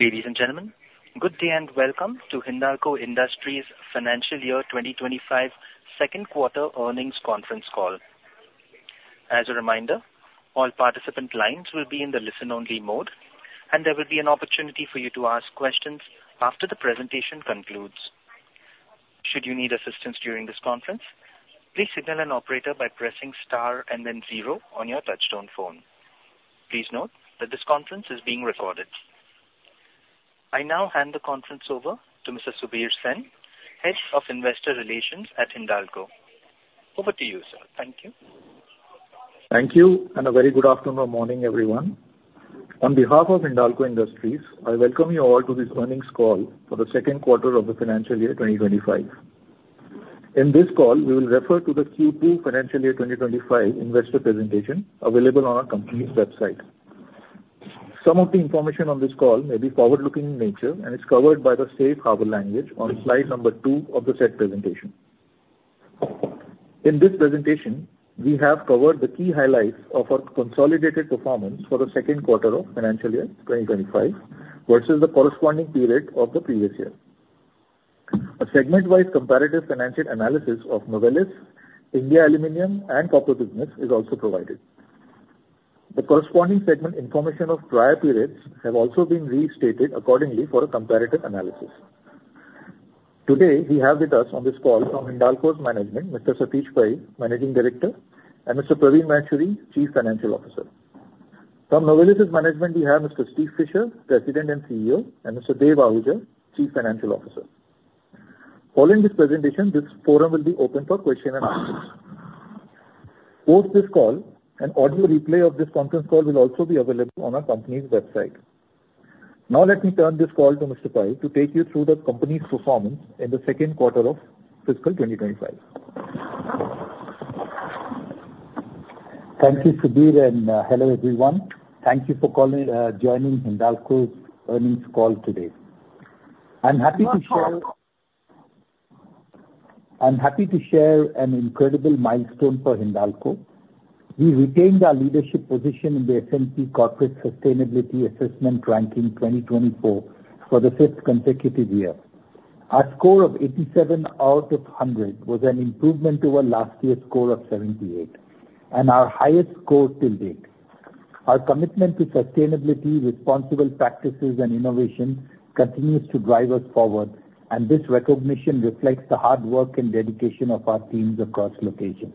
Ladies and gentlemen, good day and welcome to Hindalco Industries' Financial Year 2025 Second Quarter Earnings Conference Call. As a reminder, all participant lines will be in the listen-only mode, and there will be an opportunity for you to ask questions after the presentation concludes. Should you need assistance during this conference, please signal an operator by pressing star and then zero on your touch-tone phone. Please note that this conference is being recorded. I now hand the conference over to Mr. Subir Sen, Head of Investor Relations at Hindalco. Over to you, sir. Thank you. Thank you, and a very good afternoon or morning, everyone. On behalf of Hindalco Industries, I welcome you all to this earnings call for the second quarter of the financial year 2025. In this call, we will refer to the Q2 Financial Year 2025 investor presentation available on our company's website. Some of the information on this call may be forward-looking in nature, and it's covered by the safe harbor language on slide number two of the said presentation. In this presentation, we have covered the key highlights of our consolidated performance for the second quarter of financial year 2025 versus the corresponding period of the previous year. A segment-wise comparative financial analysis of Novelis, India Aluminium, and Copper Business is also provided. The corresponding segment information of prior periods have also been restated accordingly for a comparative analysis. Today, we have with us on this call from Hindalco's management, Mr. Satish Pai, Managing Director, and Mr. Praveen Maheshwari, Chief Financial Officer. From Novelis's management, we have Mr. Steve Fisher, President and CEO, and Mr. Dev Ahuja, Chief Financial Officer. Following this presentation, this forum will be open for question and answers. Post this call, an audio replay of this conference call will also be available on our company's website. Now, let me turn this call to Mr. Pai to take you through the company's performance in the second quarter of fiscal 2025. Thank you, Subir, and hello, everyone. Thank you for joining Hindalco's earnings call today. I'm happy to share. No problem. I'm happy to share an incredible milestone for Hindalco. We retained our leadership position in the S&P Corporate Sustainability Assessment Ranking 2024 for the fifth consecutive year. Our score of 87 out of 100 was an improvement to our last year's score of 78, and our highest score till date. Our commitment to sustainability, responsible practices, and innovation continues to drive us forward, and this recognition reflects the hard work and dedication of our teams across locations.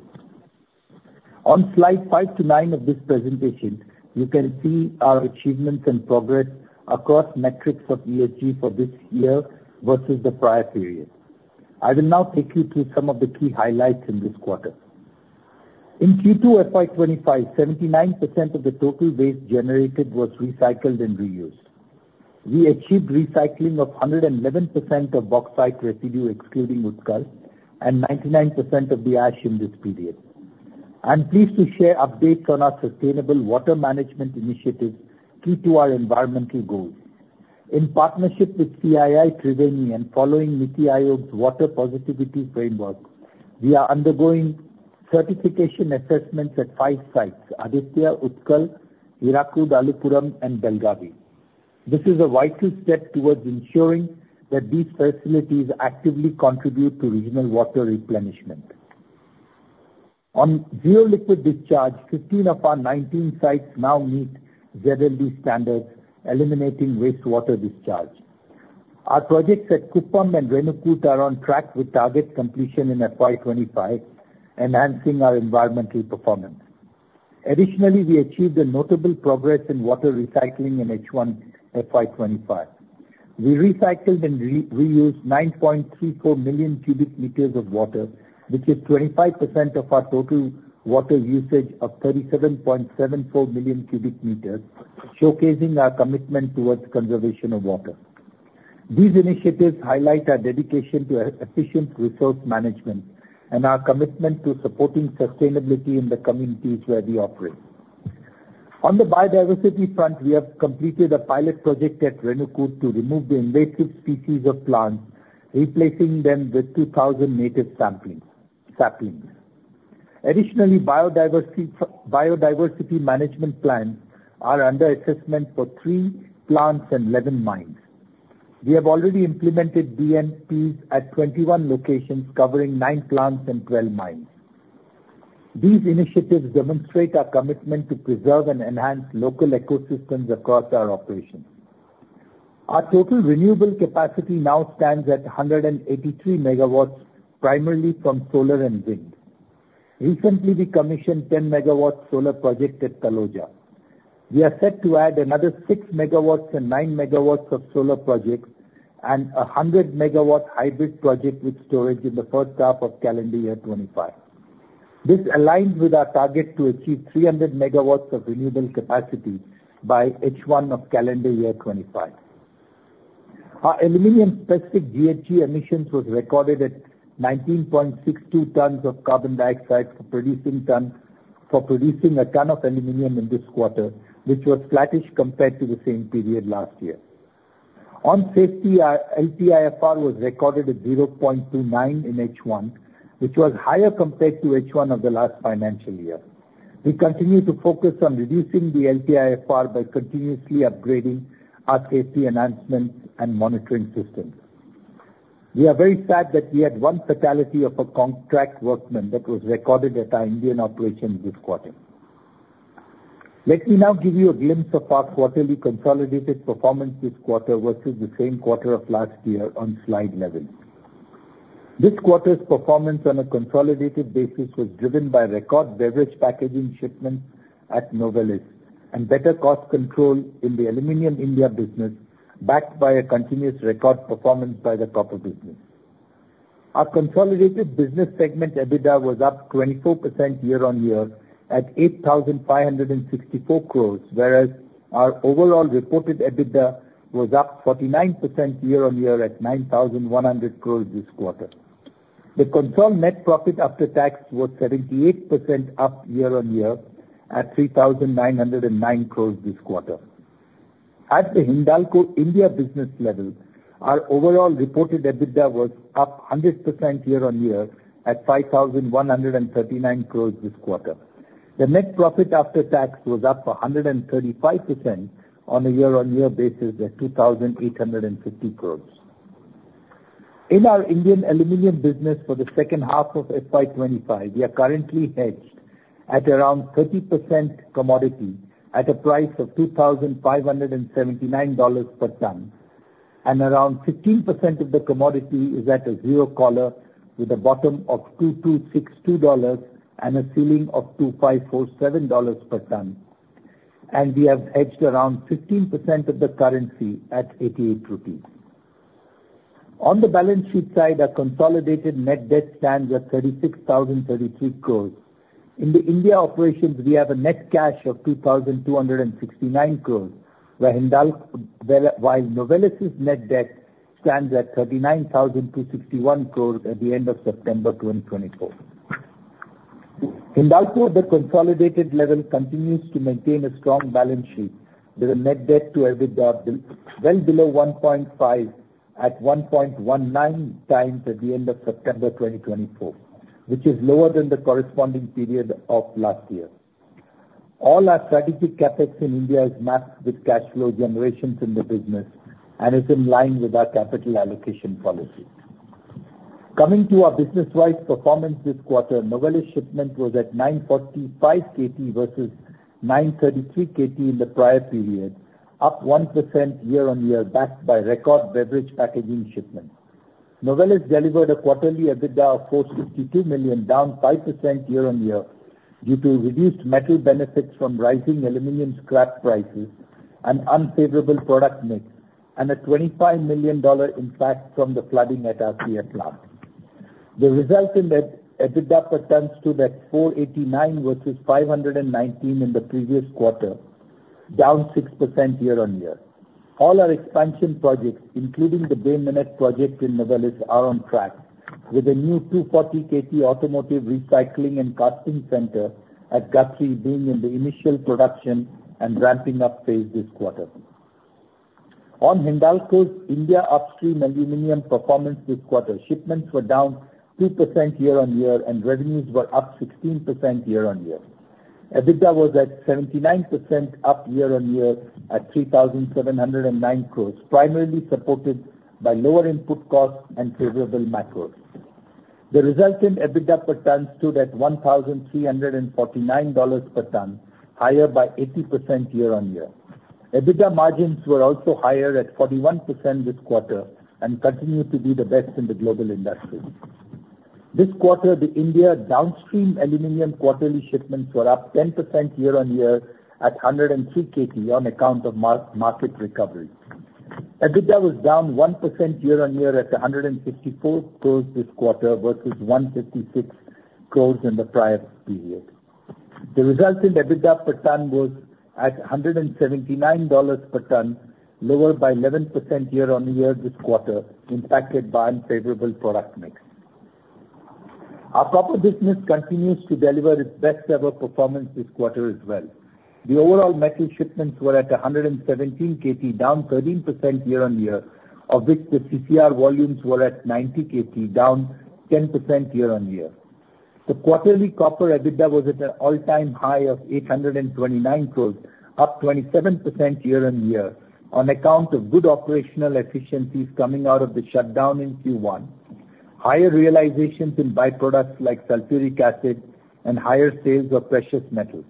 On slide five to nine of this presentation, you can see our achievements and progress across metrics of ESG for this year versus the prior period. I will now take you through some of the key highlights in this quarter. In Q2 FY25, 79% of the total waste generated was recycled and reused. We achieved recycling of 111% of bauxite residue, excluding red mud, and 99% of the ash in this period. I'm pleased to share updates on our sustainable water management initiatives key to our environmental goals. In partnership with CII Triveni and following NITI Aayog's Water Positivity Framework, we are undergoing certification assessments at five sites: Aditya, Utkal, Hirakud, Alupuram, and Belagavi. This is a vital step toward ensuring that these facilities actively contribute to regional water replenishment. On zero liquid discharge, 15 of our 19 sites now meet ZLD standards, eliminating wastewater discharge. Our projects at Kuppam and Renukut are on track with target completion in FY25, enhancing our environmental performance. Additionally, we achieved notable progress in water recycling in H1 FY25. We recycled and reused 9.34 million cubic meters of water, which is 25% of our total water usage of 37.74 million cubic meters, showcasing our commitment toward conservation of water. These initiatives highlight our dedication to efficient resource management and our commitment to supporting sustainability in the communities where we operate. On the biodiversity front, we have completed a pilot project at Renukut to remove the invasive species of plants, replacing them with 2,000 native saplings. Additionally, biodiversity management plans are under assessment for three plants and 11 mines. We have already implemented BMPs at 21 locations covering 9 plants and 12 mines. These initiatives demonstrate our commitment to preserve and enhance local ecosystems across our operations. Our total renewable capacity now stands at 183 megawatts, primarily from solar and wind. Recently, we commissioned a 10-megawatt solar project at Taloja. We are set to add another 6 megawatts and 9 megawatts of solar projects and a 100-megawatt hybrid project with storage in the first half of calendar year 2025. This aligns with our target to achieve 300 megawatts of renewable capacity by H1 of calendar year 2025. Our aluminum-specific GHG emissions were recorded at 19.62 tons of carbon dioxide for producing a ton of aluminum in this quarter, which was flattish compared to the same period last year. On safety, our LTIFR was recorded at 0.29 in H1, which was higher compared to H1 of the last financial year. We continue to focus on reducing the LTIFR by continuously upgrading our safety enhancements and monitoring systems. We are very sad that we had one fatality of a contract workman that was recorded at our Indian operation this quarter. Let me now give you a glimpse of our quarterly consolidated performance this quarter versus the same quarter of last year on slide 11. This quarter's performance on a consolidated basis was driven by record beverage packaging shipments at Novelis and better cost control in the aluminum India business, backed by a continuous record performance by the copper business. Our consolidated business segment EBITDA was up 24% year-on-year at 8,564 crores, whereas our overall reported EBITDA was up 49% year-on-year at 9,100 crores this quarter. The consolidated net profit after tax was 78% up year-on-year at 3,909 crores this quarter. At the Hindalco India business level, our overall reported EBITDA was up 100% year-on-year at 5,139 crores this quarter. The net profit after tax was up 135% on a year-on-year basis at 2,850 crores. In our Indian aluminum business for the second half of FY25, we are currently hedged at around 30% commodity at a price of $2,579 per ton, and around 15% of the commodity is at a zero-collar with a bottom of $2,262 and a ceiling of $2,547 per ton, and we have hedged around 15% of the currency at 88 rupees. On the balance sheet side, our consolidated net debt stands at 36,033 crores. In the India operations, we have a net cash of 2,269 crores, while Novelis's net debt stands at 39,261 crores at the end of September 2024. Hindalco, at the consolidated level, continues to maintain a strong balance sheet with a net debt to EBITDA well below 1.5 at 1.19 times at the end of September 2024, which is lower than the corresponding period of last year. All our strategic CapEx in India is matched with cash flow generations in the business and is in line with our capital allocation policy. Coming to our business-wide performance this quarter, Novelis shipment was at 945 KT versus 933 KT in the prior period, up 1% year-on-year, backed by record beverage packaging shipments. Novelis delivered a quarterly EBITDA of $462 million, down 5% year-on-year due to reduced metal benefits from rising aluminum scrap prices, an unfavorable product mix, and a $25 million impact from the flooding at Sierre plant. The resulting EBITDA per tonne stood at $489 versus $519 in the previous quarter, down 6% year-on-year. All our expansion projects, including the Bay Minette project in Novelis, are on track, with a new 240 KT automotive recycling and casting center at Guthrie being in the initial production and ramping-up phase this quarter. On Hindalco's India upstream aluminum performance this quarter, shipments were down 2% year-on-year, and revenues were up 16% year-on-year. EBITDA was at 79% up year-on-year at 3,709 crores, primarily supported by lower input costs and favorable macros. The resulting EBITDA per ton stood at $1,349 per ton, higher by 80% year-on-year. EBITDA margins were also higher at 41% this quarter and continue to be the best in the global industry. This quarter, the India downstream aluminum quarterly shipments were up 10% year-on-year at 103 KT on account of market recovery. EBITDA was down 1% year-on-year at 154 crores this quarter versus 156 crores in the prior period. The resulting EBITDA per ton was at $179 per ton, lower by 11% year-on-year this quarter, impacted by unfavorable product mix. Our copper business continues to deliver its best-ever performance this quarter as well. The overall metal shipments were at 117 KT, down 13% year-on-year, of which the CCR volumes were at 90 KT, down 10% year-on-year. The quarterly copper EBITDA was at an all-time high of 829 crores, up 27% year-on-year, on account of good operational efficiencies coming out of the shutdown in Q1, higher realizations in byproducts like sulfuric acid, and higher sales of precious metals.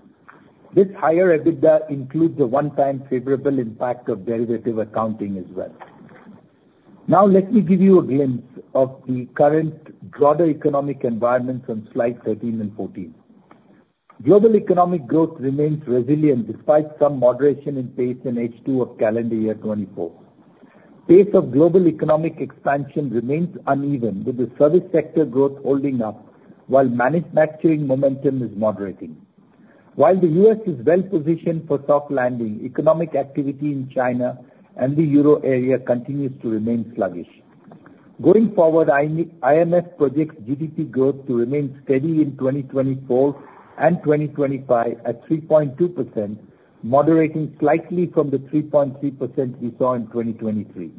This higher EBITDA includes a one-time favorable impact of derivative accounting as well. Now, let me give you a glimpse of the current broader economic environment on slides 13 and 14. Global economic growth remains resilient despite some moderation in pace in H2 of calendar year 2024. Pace of global economic expansion remains uneven, with the service sector growth holding up while manufacturing momentum is moderating. While the U.S. is well-positioned for soft landing, economic activity in China and the euro area continues to remain sluggish. Going forward, IMF projects GDP growth to remain steady in 2024 and 2025 at 3.2%, moderating slightly from the 3.3% we saw in 2023.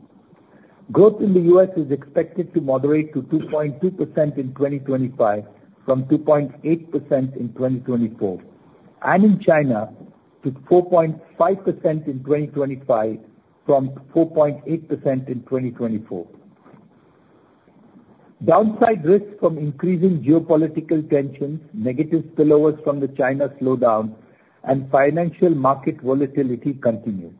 Growth in the U.S. is expected to moderate to 2.2% in 2025 from 2.8% in 2024, and in China to 4.5% in 2025 from 4.8% in 2024. Downside risks from increasing geopolitical tensions, negative spillovers from the China slowdown, and financial market volatility continue.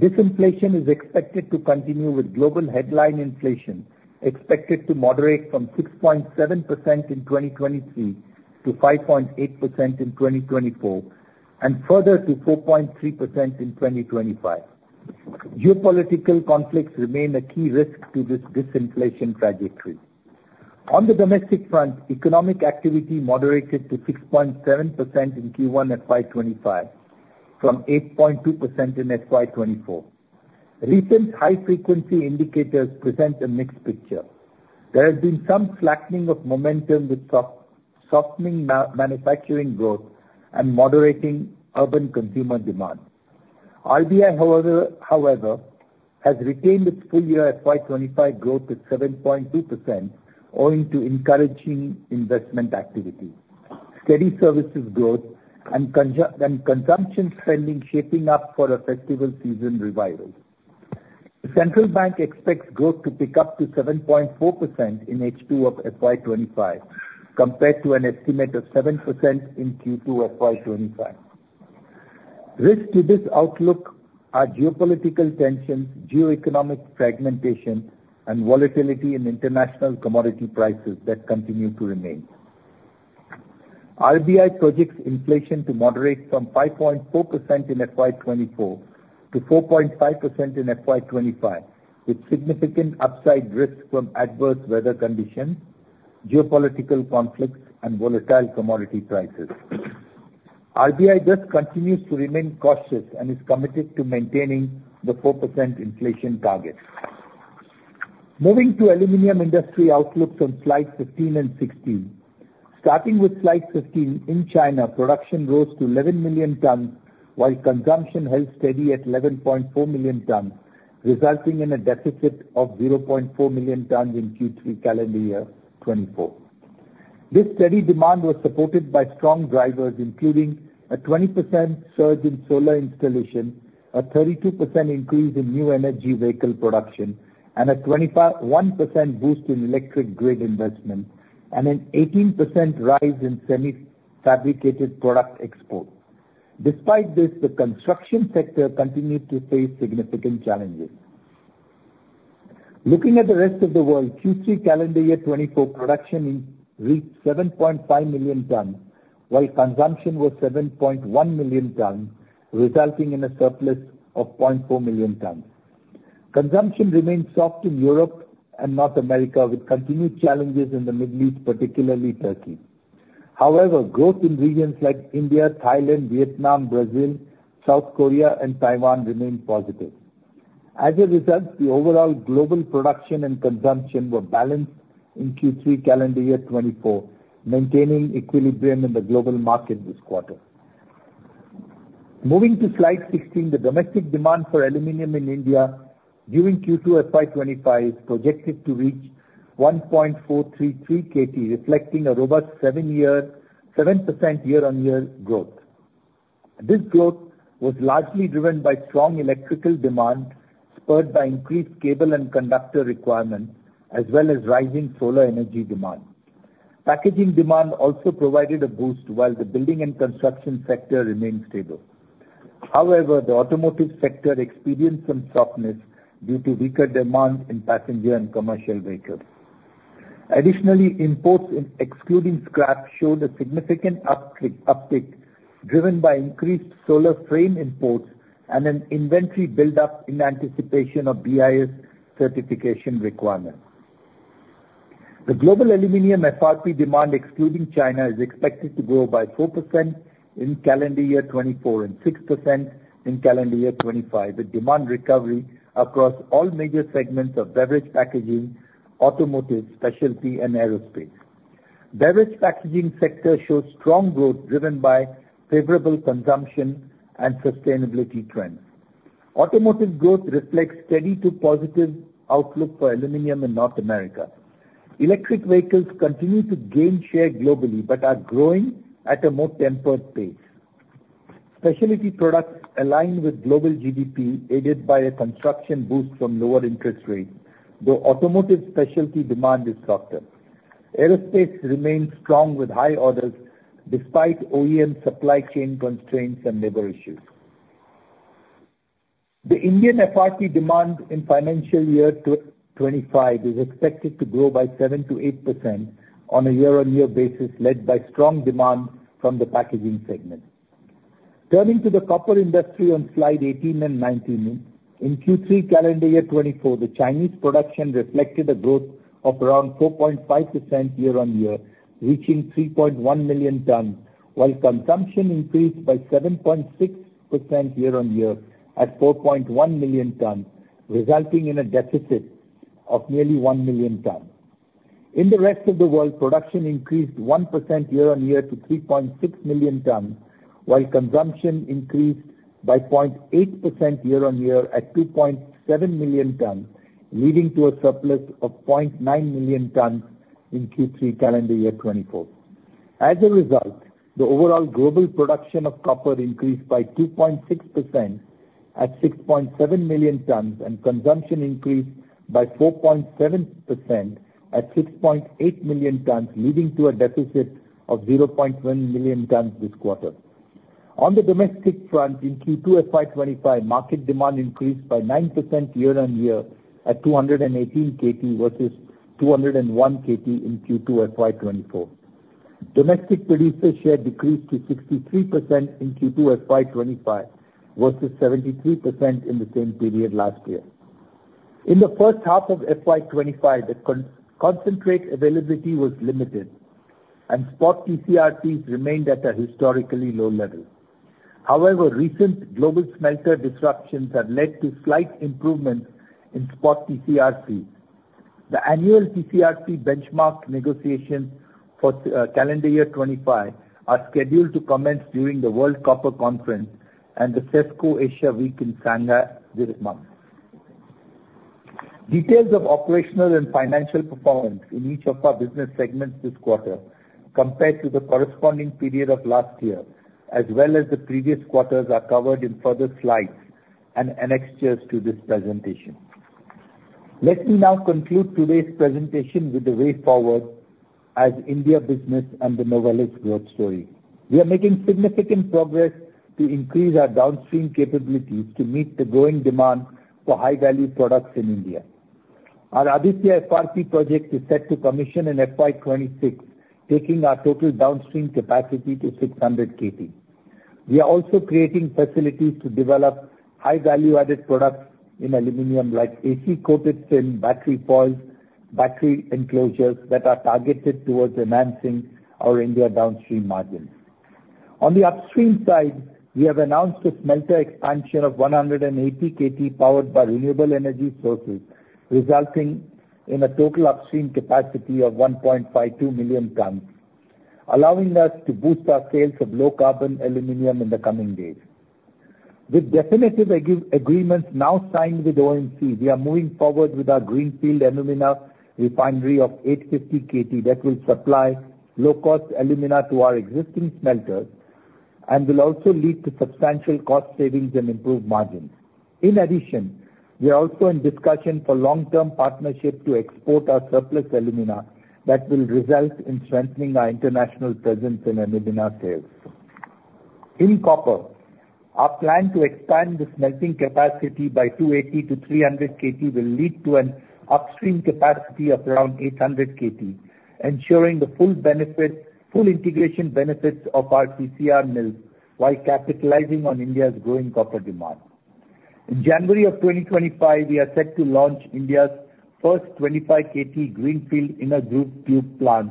Disinflation is expected to continue with global headline inflation expected to moderate from 6.7% in 2023 to 5.8% in 2024 and further to 4.3% in 2025. Geopolitical conflicts remain a key risk to this disinflation trajectory. On the domestic front, economic activity moderated to 6.7% in Q1 FY25 from 8.2% in FY24. Recent high-frequency indicators present a mixed picture. There has been some flattening of momentum with softening manufacturing growth and moderating urban consumer demand. RBI, however, has retained its full-year FY25 growth at 7.2%, owing to encouraging investment activity, steady services growth, and consumption spending shaping up for a festival season revival. The central bank expects growth to pick up to 7.4% in H2 of FY25 compared to an estimate of 7% in Q2 FY25. Risk to this outlook are geopolitical tensions, geoeconomic fragmentation, and volatility in international commodity prices that continue to remain. RBI projects inflation to moderate from 5.4% in FY24 to 4.5% in FY25, with significant upside risk from adverse weather conditions, geopolitical conflicts, and volatile commodity prices. RBI thus continues to remain cautious and is committed to maintaining the 4% inflation target. Moving to aluminum industry outlooks on slides 15 and 16. Starting with slides 15, in China, production rose to 11 million tons, while consumption held steady at 11.4 million tons, resulting in a deficit of 0.4 million tons in Q3 calendar year 2024. This steady demand was supported by strong drivers, including a 20% surge in solar installation, a 32% increase in new energy vehicle production, and a 21% boost in electric grid investment, and an 18% rise in semi-fabricated product exports. Despite this, the construction sector continued to face significant challenges. Looking at the rest of the world, Q3 calendar year 2024 production reached 7.5 million tons, while consumption was 7.1 million tons, resulting in a surplus of 0.4 million tons. Consumption remained soft in Europe and North America, with continued challenges in the Middle East, particularly Turkey. However, growth in regions like India, Thailand, Vietnam, Brazil, South Korea, and Taiwan remained positive. As a result, the overall global production and consumption were balanced in Q3 calendar year 2024, maintaining equilibrium in the global market this quarter. Moving to slide 16, the domestic demand for aluminum in India during Q2 FY25 is projected to reach 1.433 KT, reflecting a robust 7% year-on-year growth. This growth was largely driven by strong electrical demand spurred by increased cable and conductor requirements, as well as rising solar energy demand. Packaging demand also provided a boost, while the building and construction sector remained stable. However, the automotive sector experienced some softness due to weaker demand in passenger and commercial vehicles. Additionally, imports excluding scrap showed a significant uptick driven by increased solar frame imports and an inventory build-up in anticipation of BIS certification requirements. The global aluminum FRP demand excluding China is expected to grow by 4% in calendar year 2024 and 6% in calendar year 2025, with demand recovery across all major segments of beverage packaging, automotive, specialty, and aerospace. Beverage packaging sector showed strong growth driven by favorable consumption and sustainability trends. Automotive growth reflects steady to positive outlook for aluminum in North America. Electric vehicles continue to gain share globally but are growing at a more tempered pace. Specialty products align with global GDP, aided by a construction boost from lower interest rates, though automotive specialty demand is softer. Aerospace remains strong with high orders despite OEM supply chain constraints and labor issues. The Indian FRP demand in financial year 2025 is expected to grow by 7% to 8% on a year-on-year basis, led by strong demand from the packaging segment. Turning to the copper industry on slide 18 and 19, in Q3 calendar year 2024, the Chinese production reflected a growth of around 4.5% year-on-year, reaching 3.1 million tons, while consumption increased by 7.6% year-on-year at 4.1 million tons, resulting in a deficit of nearly 1 million tons. In the rest of the world, production increased 1% year-on-year to 3.6 million tons, while consumption increased by 0.8% year-on-year at 2.7 million tons, leading to a surplus of 0.9 million tons in Q3 calendar year 2024. As a result, the overall global production of copper increased by 2.6% at 6.7 million tons, and consumption increased by 4.7% at 6.8 million tons, leading to a deficit of 0.1 million tons this quarter. On the domestic front, in Q2 FY2025, market demand increased by 9% year-on-year at 218 KT versus 201 KT in Q2 FY2024. Domestic producer share decreased to 63% in Q2 FY25 versus 73% in the same period last year. In the first half of FY25, the concentrate availability was limited, and spot TCRCs remained at a historically low level. However, recent global smelter disruptions have led to slight improvements in spot TCRCs. The annual TCRC benchmark negotiations for calendar year 2025 are scheduled to commence during the World Copper Conference and the CESCO Asia Week in Shanghai this month. Details of operational and financial performance in each of our business segments this quarter compared to the corresponding period of last year, as well as the previous quarters, are covered in further slides and annexes to this presentation. Let me now conclude today's presentation with a way forward as India business and the Novelis growth story. We are making significant progress to increase our downstream capabilities to meet the growing demand for high-value products in India. Our Aditya FRP project is set to commission in FY26, taking our total downstream capacity to 600 KT. We are also creating facilities to develop high-value-added products in aluminum, like AC-coated fin, battery foils, battery enclosures that are targeted toward enhancing our India downstream margins. On the upstream side, we have announced a smelter expansion of 180 KT powered by renewable energy sources, resulting in a total upstream capacity of 1.52 million tons, allowing us to boost our sales of low-carbon aluminum in the coming days. With definitive agreements now signed with OMC, we are moving forward with our greenfield alumina refinery of 850 KT that will supply low-cost alumina to our existing smelters and will also lead to substantial cost savings and improved margins. In addition, we are also in discussion for long-term partnership to export our surplus alumina that will result in strengthening our international presence in alumina sales. In copper, our plan to expand the smelting capacity by 280-300 KT will lead to an upstream capacity of around 800 KT, ensuring the full integration benefits of our CCR mills while capitalizing on India's growing copper demand. In January of 2025, we are set to launch India's first 25 KT greenfield Inner Grooved tube plant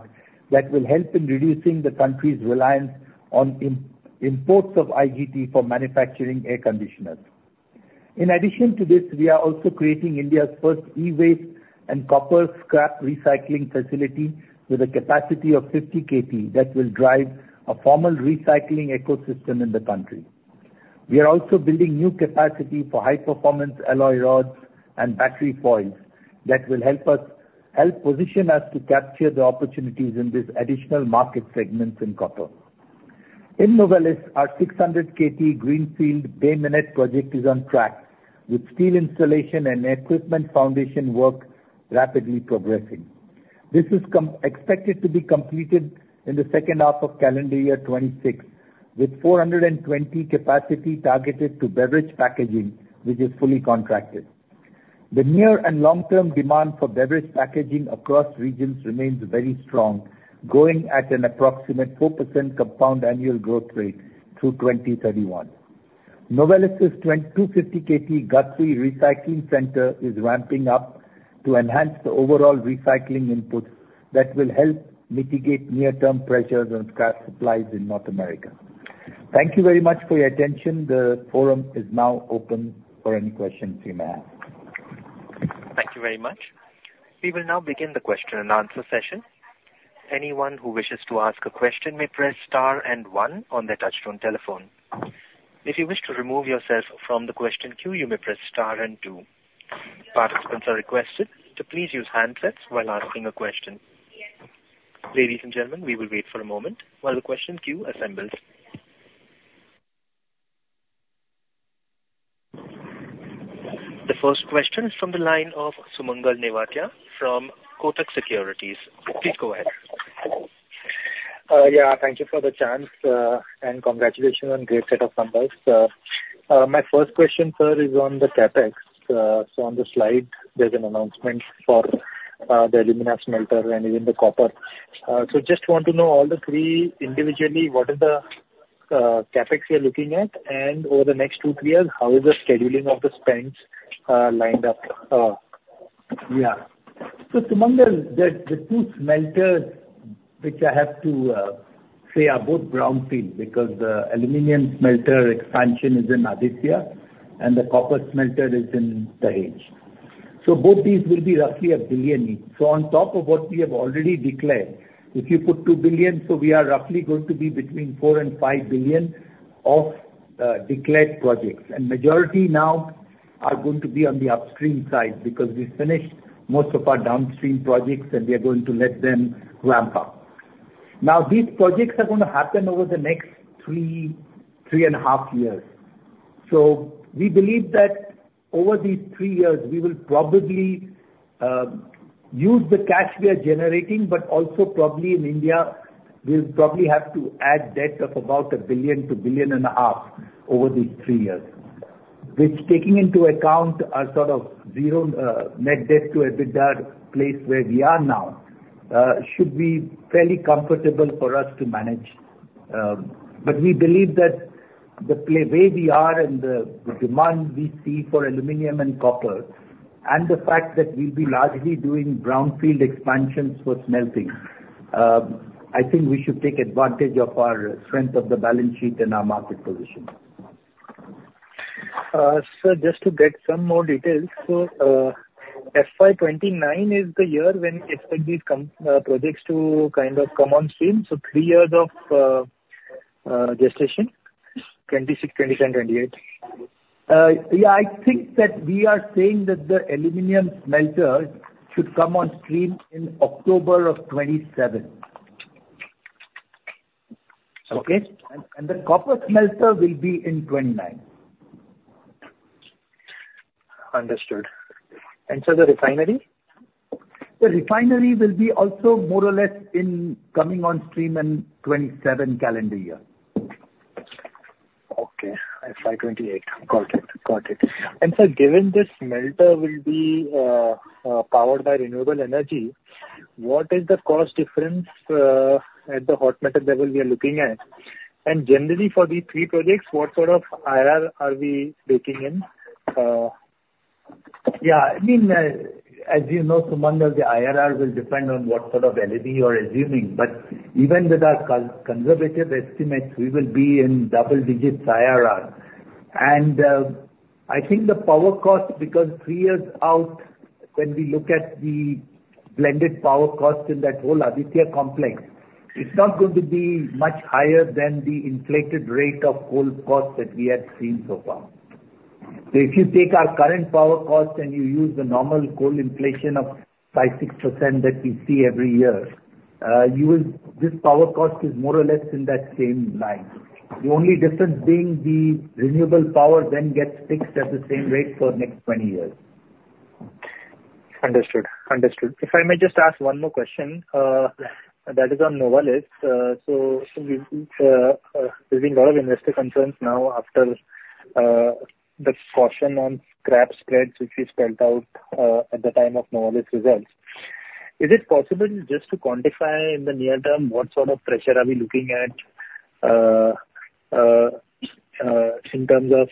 that will help in reducing the country's reliance on imports of IGT for manufacturing air conditioners. In addition to this, we are also creating India's first e-waste and copper scrap recycling facility with a capacity of 50 KT that will drive a formal recycling ecosystem in the country. We are also building new capacity for high-performance alloy rods and battery foils that will help us help position us to capture the opportunities in these additional market segments in copper. In Novelis, our 600 KT Greenfield Bay Minette project is on track, with steel installation and equipment foundation work rapidly progressing. This is expected to be completed in the second half of calendar year 2026, with 420 capacity targeted to beverage packaging, which is fully contracted. The near and long-term demand for beverage packaging across regions remains very strong, going at an approximate 4% compound annual growth rate through 2031. Novelis's 250 KT Guthrie Recycling Center is ramping up to enhance the overall recycling inputs that will help mitigate near-term pressures on scrap supplies in North America. Thank you very much for your attention. The forum is now open for any questions you may ask. Thank you very much. We will now begin the question and answer session. Anyone who wishes to ask a question may press star and one on their touch-tone telephone. If you wish to remove yourself from the question queue, you may press star and two. Participants are requested to please use handsets while asking a question. Ladies and gentlemen, we will wait for a moment while the question queue assembles. The first question is from the line of Sumangal Nevatia from Kotak Securities. Please go ahead. Yeah, thank you for the chance and congratulations on a great set of numbers. My first question, sir, is on the CapEx. So on the slide, there's an announcement for the alumina smelter and even the copper. So just want to know all the three individually, what is the CapEx you're looking at, and over the next two to three years, how is the scheduling of the spends lined up? Yeah. So Sumangal, the two smelters which I have to say are both brownfield because the aluminum smelter expansion is in Aditya and the copper smelter is in Dahej. So both these will be roughly a billion each. So on top of what we have already declared, if you put two billion, so we are roughly going to be between four and five billion of declared projects. And majority now are going to be on the upstream side because we finished most of our downstream projects and we are going to let them ramp up. Now, these projects are going to happen over the next three and a half years. We believe that over these three years, we will probably use the cash we are generating, but also probably in India, we'll probably have to add debt of about $1 billion-$1.5 billion over these three years. With taking into account our sort of net debt to EBITDA place where we are now, should be fairly comfortable for us to manage. We believe that the way we are and the demand we see for aluminum and copper, and the fact that we'll be largely doing brownfield expansions for smelting. I think we should take advantage of our strength of the balance sheet and our market position. Sir, just to get some more details, so FY29 is the year when we expect these projects to kind of come on stream, so three years of gestation, 2026, 2027, 2028. Yeah, I think that we are saying that the aluminum smelter should come on stream in October of 2027. Okay? And the copper smelter will be in 2029. Understood. And so the refinery? The refinery will be also more or less coming on stream in 2027 calendar year. Okay. FY28. Got it. Got it. And sir, given this smelter will be powered by renewable energy, what is the cost difference at the hot metal level we are looking at? And generally for these three projects, what sort of IR are we looking in? Yeah. I mean, as you know, Sumangal, the IRR will depend on what sort of LCOE you're assuming. But even with our conservative estimates, we will be in double-digits IRR. I think the power cost, because three years out, when we look at the blended power cost in that whole Aditya complex, it's not going to be much higher than the inflated rate of coal costs that we had seen so far. So if you take our current power cost and you use the normal coal inflation of 5%, 6% that we see every year, this power cost is more or less in that same line. The only difference being the renewable power then gets fixed at the same rate for the next 20 years. Understood. Understood. If I may just ask one more question, that is on Novelis. So there's been a lot of investor concerns now after the caution on scrap spreads which we spelled out at the time of Novelis results. Is it possible just to quantify in the near term what sort of pressure are we looking at in terms of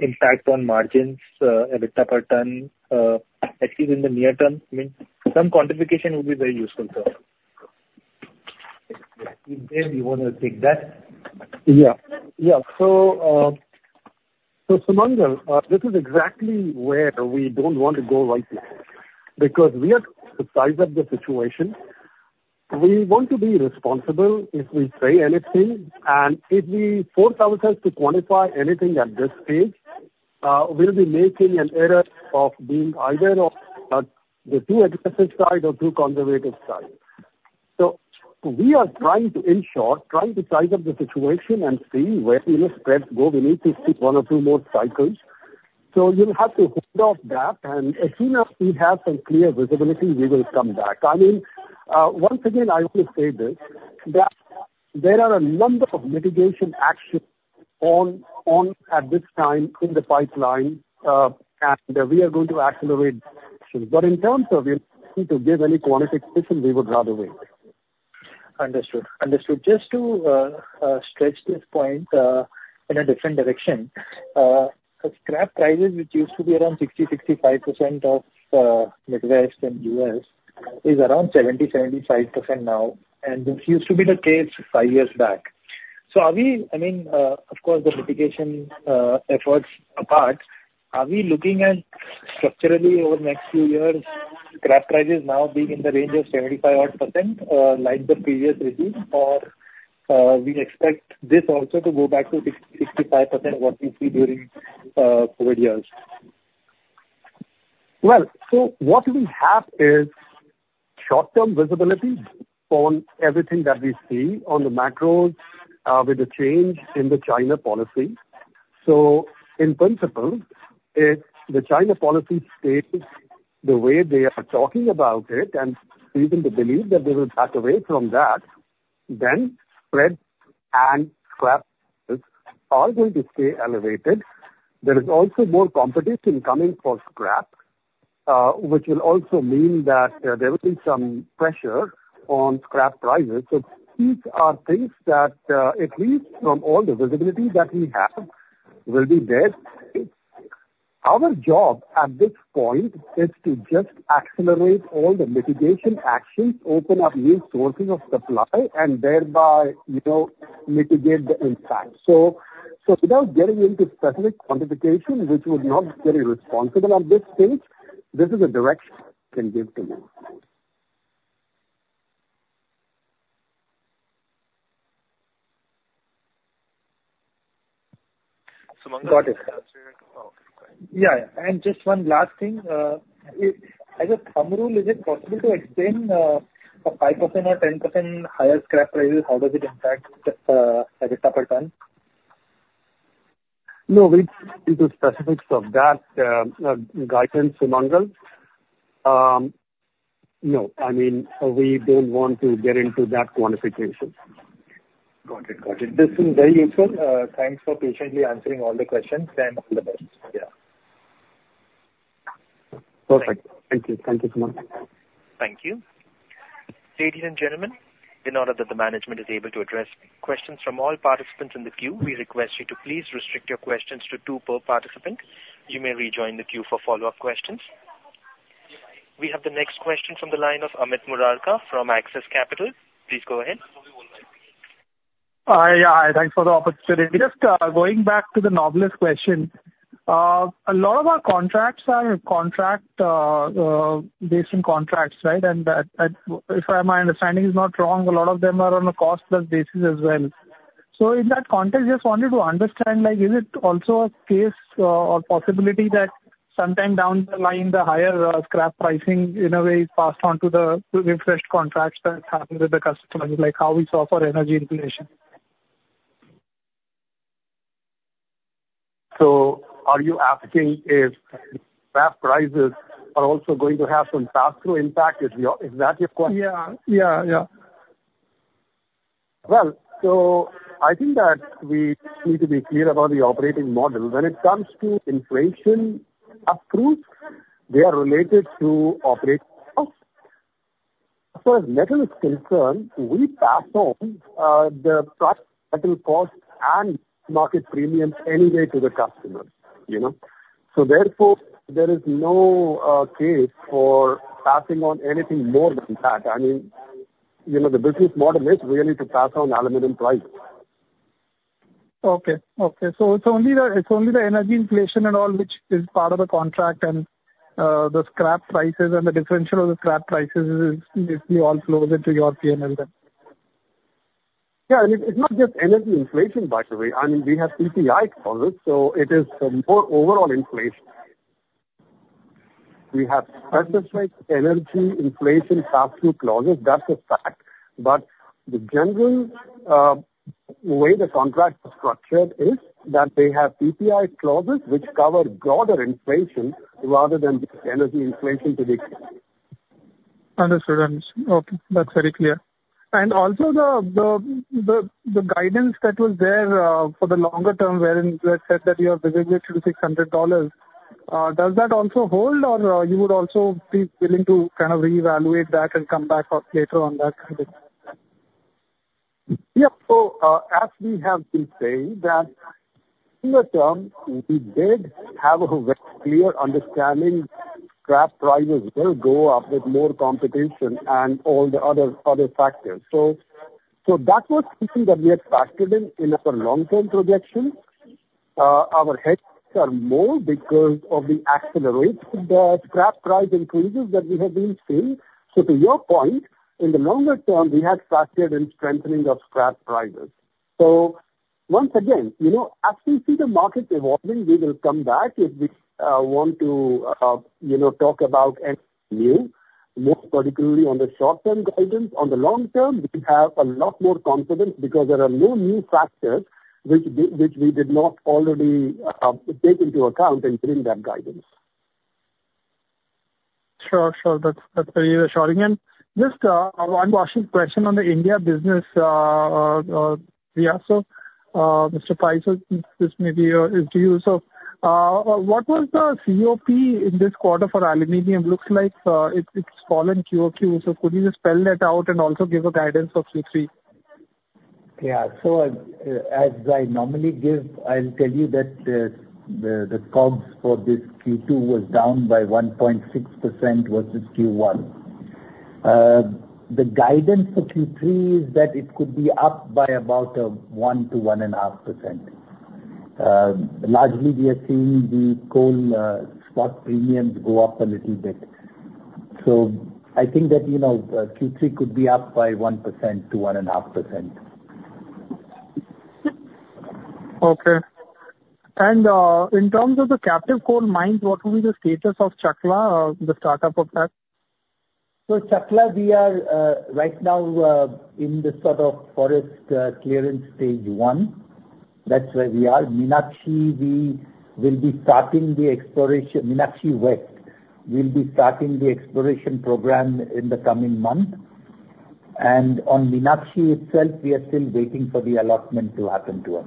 impact on margins, EBITDA per ton, at least in the near term? I mean, some quantification would be very useful to us. If you want to take that. Yeah. Yeah. So Sumangal, this is exactly where we don't want to go right now because we are surprised at the situation. We want to be responsible if we say anything. And if we force ourselves to quantify anything at this stage, we'll be making an error of being either on the too aggressive side or too conservative side. So we are trying to ensure, trying to size up the situation and see where will the spreads go. We need to stick one or two more cycles. So you'll have to hold off that. And as soon as we have some clear visibility, we will come back. I mean, once again, I want to say this: there are a number of mitigation actions on at this time in the pipeline, and we are going to accelerate actions. But in terms of giving any quantitative decision, we would rather wait. Understood. Understood. Just to stretch this point in a different direction, scrap prices, which used to be around 60-65% of Midwest and U.S., is around 70-75% now. And this used to be the case five years back. So are we, I mean, of course, the mitigation efforts apart, are we looking at structurally over the next few years scrap prices now being in the range of 75-odd% like the previous regime, or we expect this also to go back to 65% of what we see during COVID years? Well, so what we have is short-term visibility on everything that we see on the macros with the change in the China policy. So in principle, if the China policy stays the way they are talking about it and people believe that they will back away from that, then spreads and scraps are going to stay elevated. There is also more competition coming for scrap, which will also mean that there will be some pressure on scrap prices. So these are things that, at least from all the visibility that we have, will be there. Our job at this point is to just accelerate all the mitigation actions, open up new sources of supply, and thereby mitigate the impact. So without getting into specific quantification, which would not be very responsible at this stage, this is a direction I can give to you. Sumangal. Got it. Yeah. And just one last thing. As a thumb rule, is it possible to explain a 5% or 10% higher scrap prices? How does it impact EBITDA per ton? No, it's specifics of that. Guidance, Sumangal? No. I mean, we don't want to get into that quantification. Got it. Got it. This has been very useful. Thanks for patiently answering all the questions. And all the best. Yeah. Perfect. Thank you. Thank you, Sumangal. Thank you. Ladies and gentlemen, in order that the management is able to address questions from all participants in the queue, we request you to please restrict your questions to two per participant. You may rejoin the queue for follow-up questions. We have the next question from the line of Amit Murarka from Axis Capital. Please go ahead. Hi. Yeah. Hi. Thanks for the opportunity. Just going back to the Novelis question, a lot of our contracts are contract-based contracts, right? And if my understanding is not wrong, a lot of them are on a cost-plus basis as well. So in that context, just wanted to understand, is it also a case or possibility that sometime down the line, the higher scrap pricing in a way is passed on to the refreshed contracts that happen with the customers, like how we saw for energy inflation? So are you asking if scrap prices are also going to have some pass-through impact? Is that your question? Yeah. Yeah. Yeah. Well, so I think that we need to be clear about the operating model. When it comes to inflation pass-through, they are related to operating costs. As far as metal is concerned, we pass on the metal costs and market premiums anyway to the customers. So therefore, there is no case for passing on anything more than that. I mean, the business model is really to pass on aluminum prices. Okay. Okay. So it's only the energy inflation and all, which is part of the contract, and the scrap prices and the differential of the scrap prices is basically all flows into your P&L then. Yeah. And it's not just energy inflation, by the way. I mean, we have CPI clauses, so it is more overall inflation. We have specified energy inflation pass-through clauses. That's a fact. But the general way the contract is structured is that they have CPI clauses, which cover broader inflation rather than energy inflation to the extent. Understood. Understood. Okay. That's very clear. And also the guidance that was there for the longer term, wherein you had said that you are visible to $600, does that also hold, or you would also be willing to kind of reevaluate that and come back later on that? Yeah. So as we have been saying that in the term, we did have a clear understanding scrap prices will go up with more competition and all the other factors. So that was something that we had factored in in our long-term projection. Our heads are more because of the accelerated scrap price increases that we have been seeing. So to your point, in the longer term, we had factored in strengthening of scrap prices. So once again, as we see the market evolving, we will come back if we want to talk about anything new, most particularly on the short-term guidance. On the long term, we have a lot more confidence because there are no new factors which we did not already take into account and bring that guidance. Sure. Sure. That's very reassuring. And just one last question on the India business. Yeah. So Mr. Pai, so this may be to you. So what was the COP in this quarter for aluminum looks like? It's fallen QOQ. So could you just spell that out and also give a guidance for Q3? Yeah. So as I normally give, I'll tell you that the COGS for this Q2 was down by 1.6% versus Q1. The guidance for Q3 is that it could be up by about 1%-1.5%. Largely, we are seeing the coal spot premiums go up a little bit. So I think that Q3 could be up by 1%-1.5%. Okay. And in terms of the captive coal mines, what will be the status of Chakla, the startup of that? So Chakla, we are right now in the sort of forest clearance stage one. That's where we are. Meenakshi, we will be starting the exploration. Meenakshi West will be starting the exploration program in the coming month. And on Meenakshi itself, we are still waiting for the allotment to happen to us.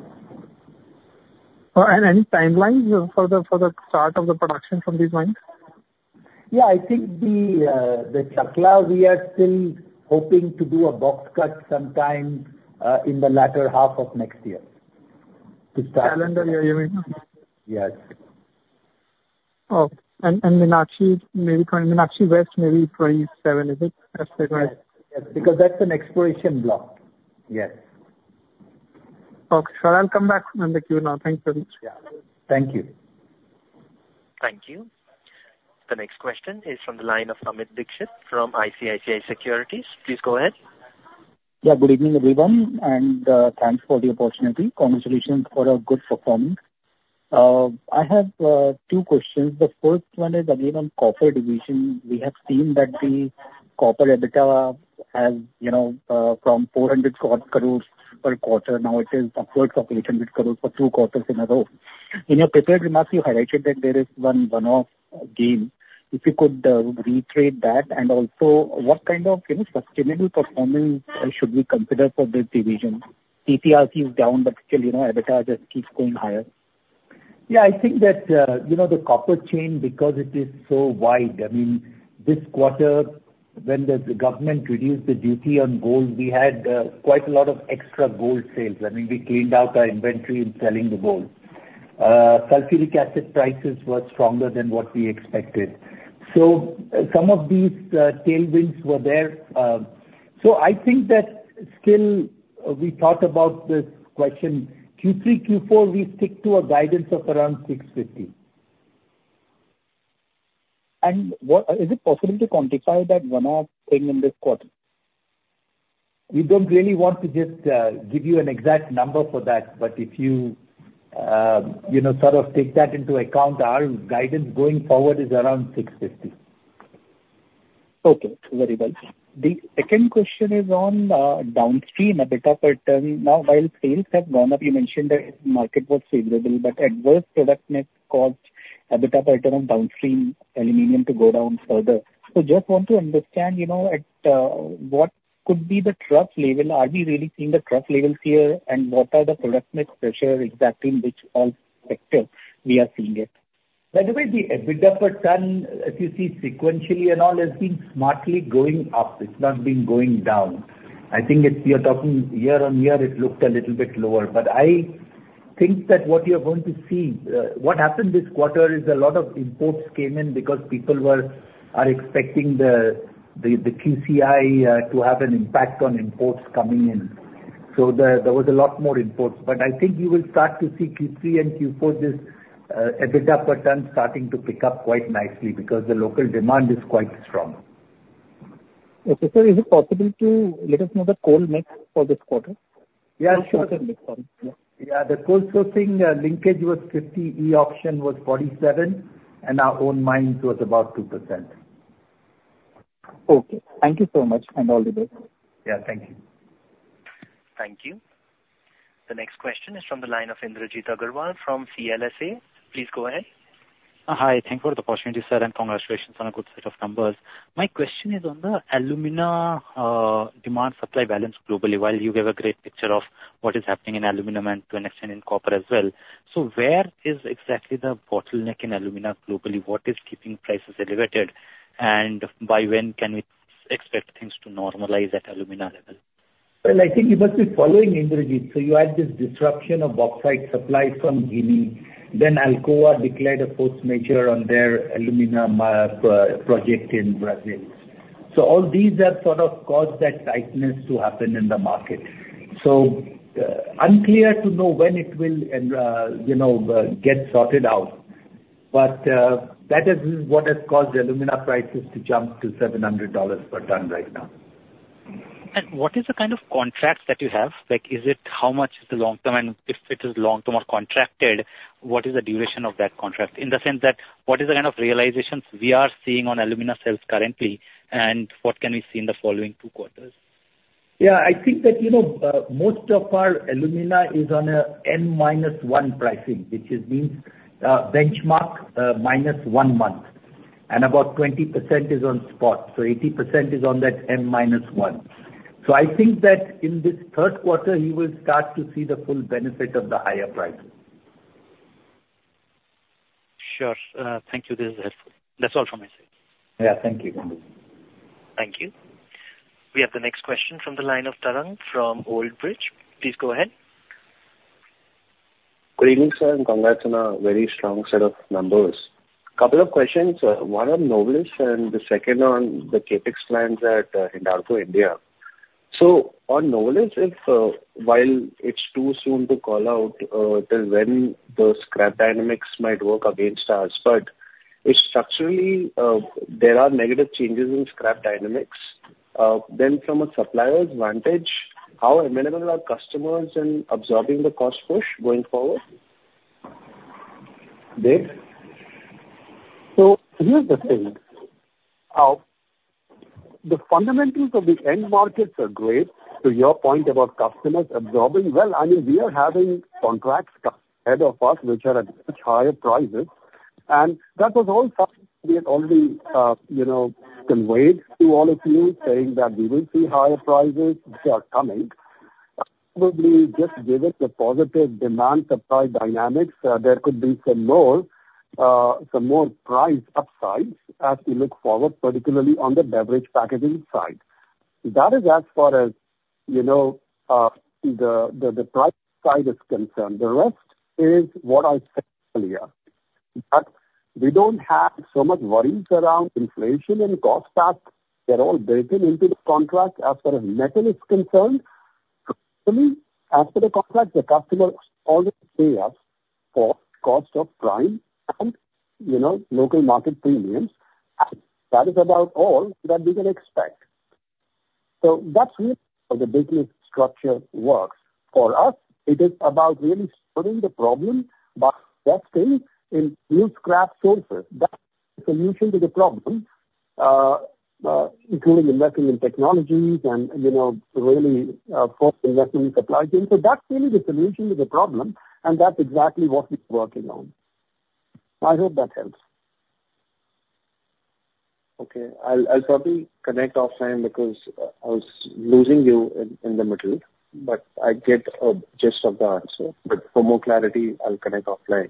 And any timelines for the start of the production from these mines? Yeah. I think the Chakla, we are still hoping to do a box cut sometime in the latter half of next year to start. Calendar year, you mean? Yes. Oh. And Meenakshi maybe coming Meenakshi West maybe 27, is it? That's the guidance. Yes. Because that's an exploration block. Yes. Okay. So I'll come back on the queue now. Thanks very much. Yeah. Thank you. Thank you. The next question is from the line of Amit Dixit from ICICI Securities. Please go ahead. Yeah. Good evening, everyone, and thanks for the opportunity. Congratulations for a good performance. I have two questions. The first one is again on copper division. We have seen that the copper EBITDA has from 400 crores per quarter. Now it is upwards of 800 crores for two quarters in a row. In your prepared remarks, you highlighted that there is one-off gain. If you could reiterate that. And also, what kind of sustainable performance should we consider for this division? TC/RC is down, but still EBITDA just keeps going higher. Yeah. I think that the copper chain, because it is so wide, I mean, this quarter, when the government reduced the duty on gold, we had quite a lot of extra gold sales. I mean, we cleaned out our inventory and selling the gold. Sulfuric acid prices were stronger than what we expected. So some of these tailwinds were there. So I think that still we thought about this question. Q3, Q4, we stick to a guidance of around 650, and is it possible to quantify that runoff thing in this quarter? We don't really want to just give you an exact number for that. But if you sort of take that into account, our guidance going forward is around 650. Okay. Very good. The second question is on downstream EBITDA per ton. Now, while sales have gone up, you mentioned that market was favorable, but adverse product mix caused EBITDA per ton of downstream aluminum to go down further. So just want to understand what could be the thrust level. Are we really seeing the trust levels here, and what are the product mix pressures exactly in which all sector we are seeing it? By the way, the EBITDA per ton, as you see sequentially and all, has been smartly going up. It's not been going down. I think you're talking year on year, it looked a little bit lower. But I think that what you're going to see, what happened this quarter is a lot of imports came in because people were expecting the QCI to have an impact on imports coming in. So there was a lot more imports. But I think you will start to see Q3 and Q4, this EBITDA per ton starting to pick up quite nicely because the local demand is quite strong. Okay. So is it possible to let us know the coal mix for this quarter? Yeah. Sure. Yeah. The coal sourcing linkage was 50%, e-auction was 47%, and our own mines was about 2%. Okay. Thank you so much and all the best. Yeah. Thank you. Thank you. The next question is from the line of Indrajit Agarwal from CLSA. Please go ahead. Hi. Thank you for the opportunity, sir, and congratulations on a good set of numbers. My question is on the alumina demand-supply balance globally, while you gave a great picture of what is happening in aluminum and to an extent in copper as well. So where is exactly the bottleneck in alumina globally? What is keeping prices elevated? And by when can we expect things to normalize at alumina level? Well, I think you must be following Indrajit. So you had this disruption of oxide supply from Guinea. Then Alcoa declared a force majeure on their alumina project in Brazil. So all these have sort of caused that tightness to happen in the market. So unclear to know when it will get sorted out. But that is what has caused alumina prices to jump to $700 per ton right now. And what is the kind of contracts that you have? Is it how much is the long-term? And if it is long-term or contracted, what is the duration of that contract? In the sense that what is the kind of realizations we are seeing on alumina sales currently, and what can we see in the following two quarters? Yeah. I think that most of our alumina is on a N minus 1 pricing, which means benchmark minus one month. And about 20% is on spot. So 80% is on that N minus 1. So I think that in this third quarter, you will start to see the full benefit of the higher prices. Sure. Thank you. This is helpful. That's all from my side. Yeah. Thank you. Thank you. We have the next question from the line of Tarang from Old Bridge. Please go ahead. Good evening, sir, and congrats on a very strong set of numbers. Couple of questions. One on Novelis and the second on the CapEx plans at Hindalco India. So on Novelis, while it's too soon to call out when the scrap dynamics might work against us, but structurally, there are negative changes in scrap dynamics. Then from a supplier's vantage, how amenable are customers in absorbing the cost push going forward? Dev? So here's the thing. The fundamentals of the end markets are great. To your point about customers absorbing, well, I mean, we are having contracts ahead of us, which are at much higher prices. And that was all something we had already conveyed to all of you, saying that we will see higher prices which are coming. Probably just given the positive demand-supply dynamics, there could be some more price upsides as we look forward, particularly on the beverage packaging side. That is as far as the price side is concerned. The rest is what I said earlier. But we don't have so much worries around inflation and cost path. They're all built into the contract as far as metal is concerned. Actually, as per the contract, the customers always pay us for cost of prime and local market premiums. And that is about all that we can expect. So that's really how the business structure works. For us, it is about really solving the problem by investing in new scrap sources. That's the solution to the problem, including investing in technologies and really force investment in supply chain. So that's really the solution to the problem. And that's exactly what we're working on. I hope that helps. Okay. I'll probably connect offline because I was losing you in the middle, but I get a gist of the answer. But for more clarity, I'll connect offline.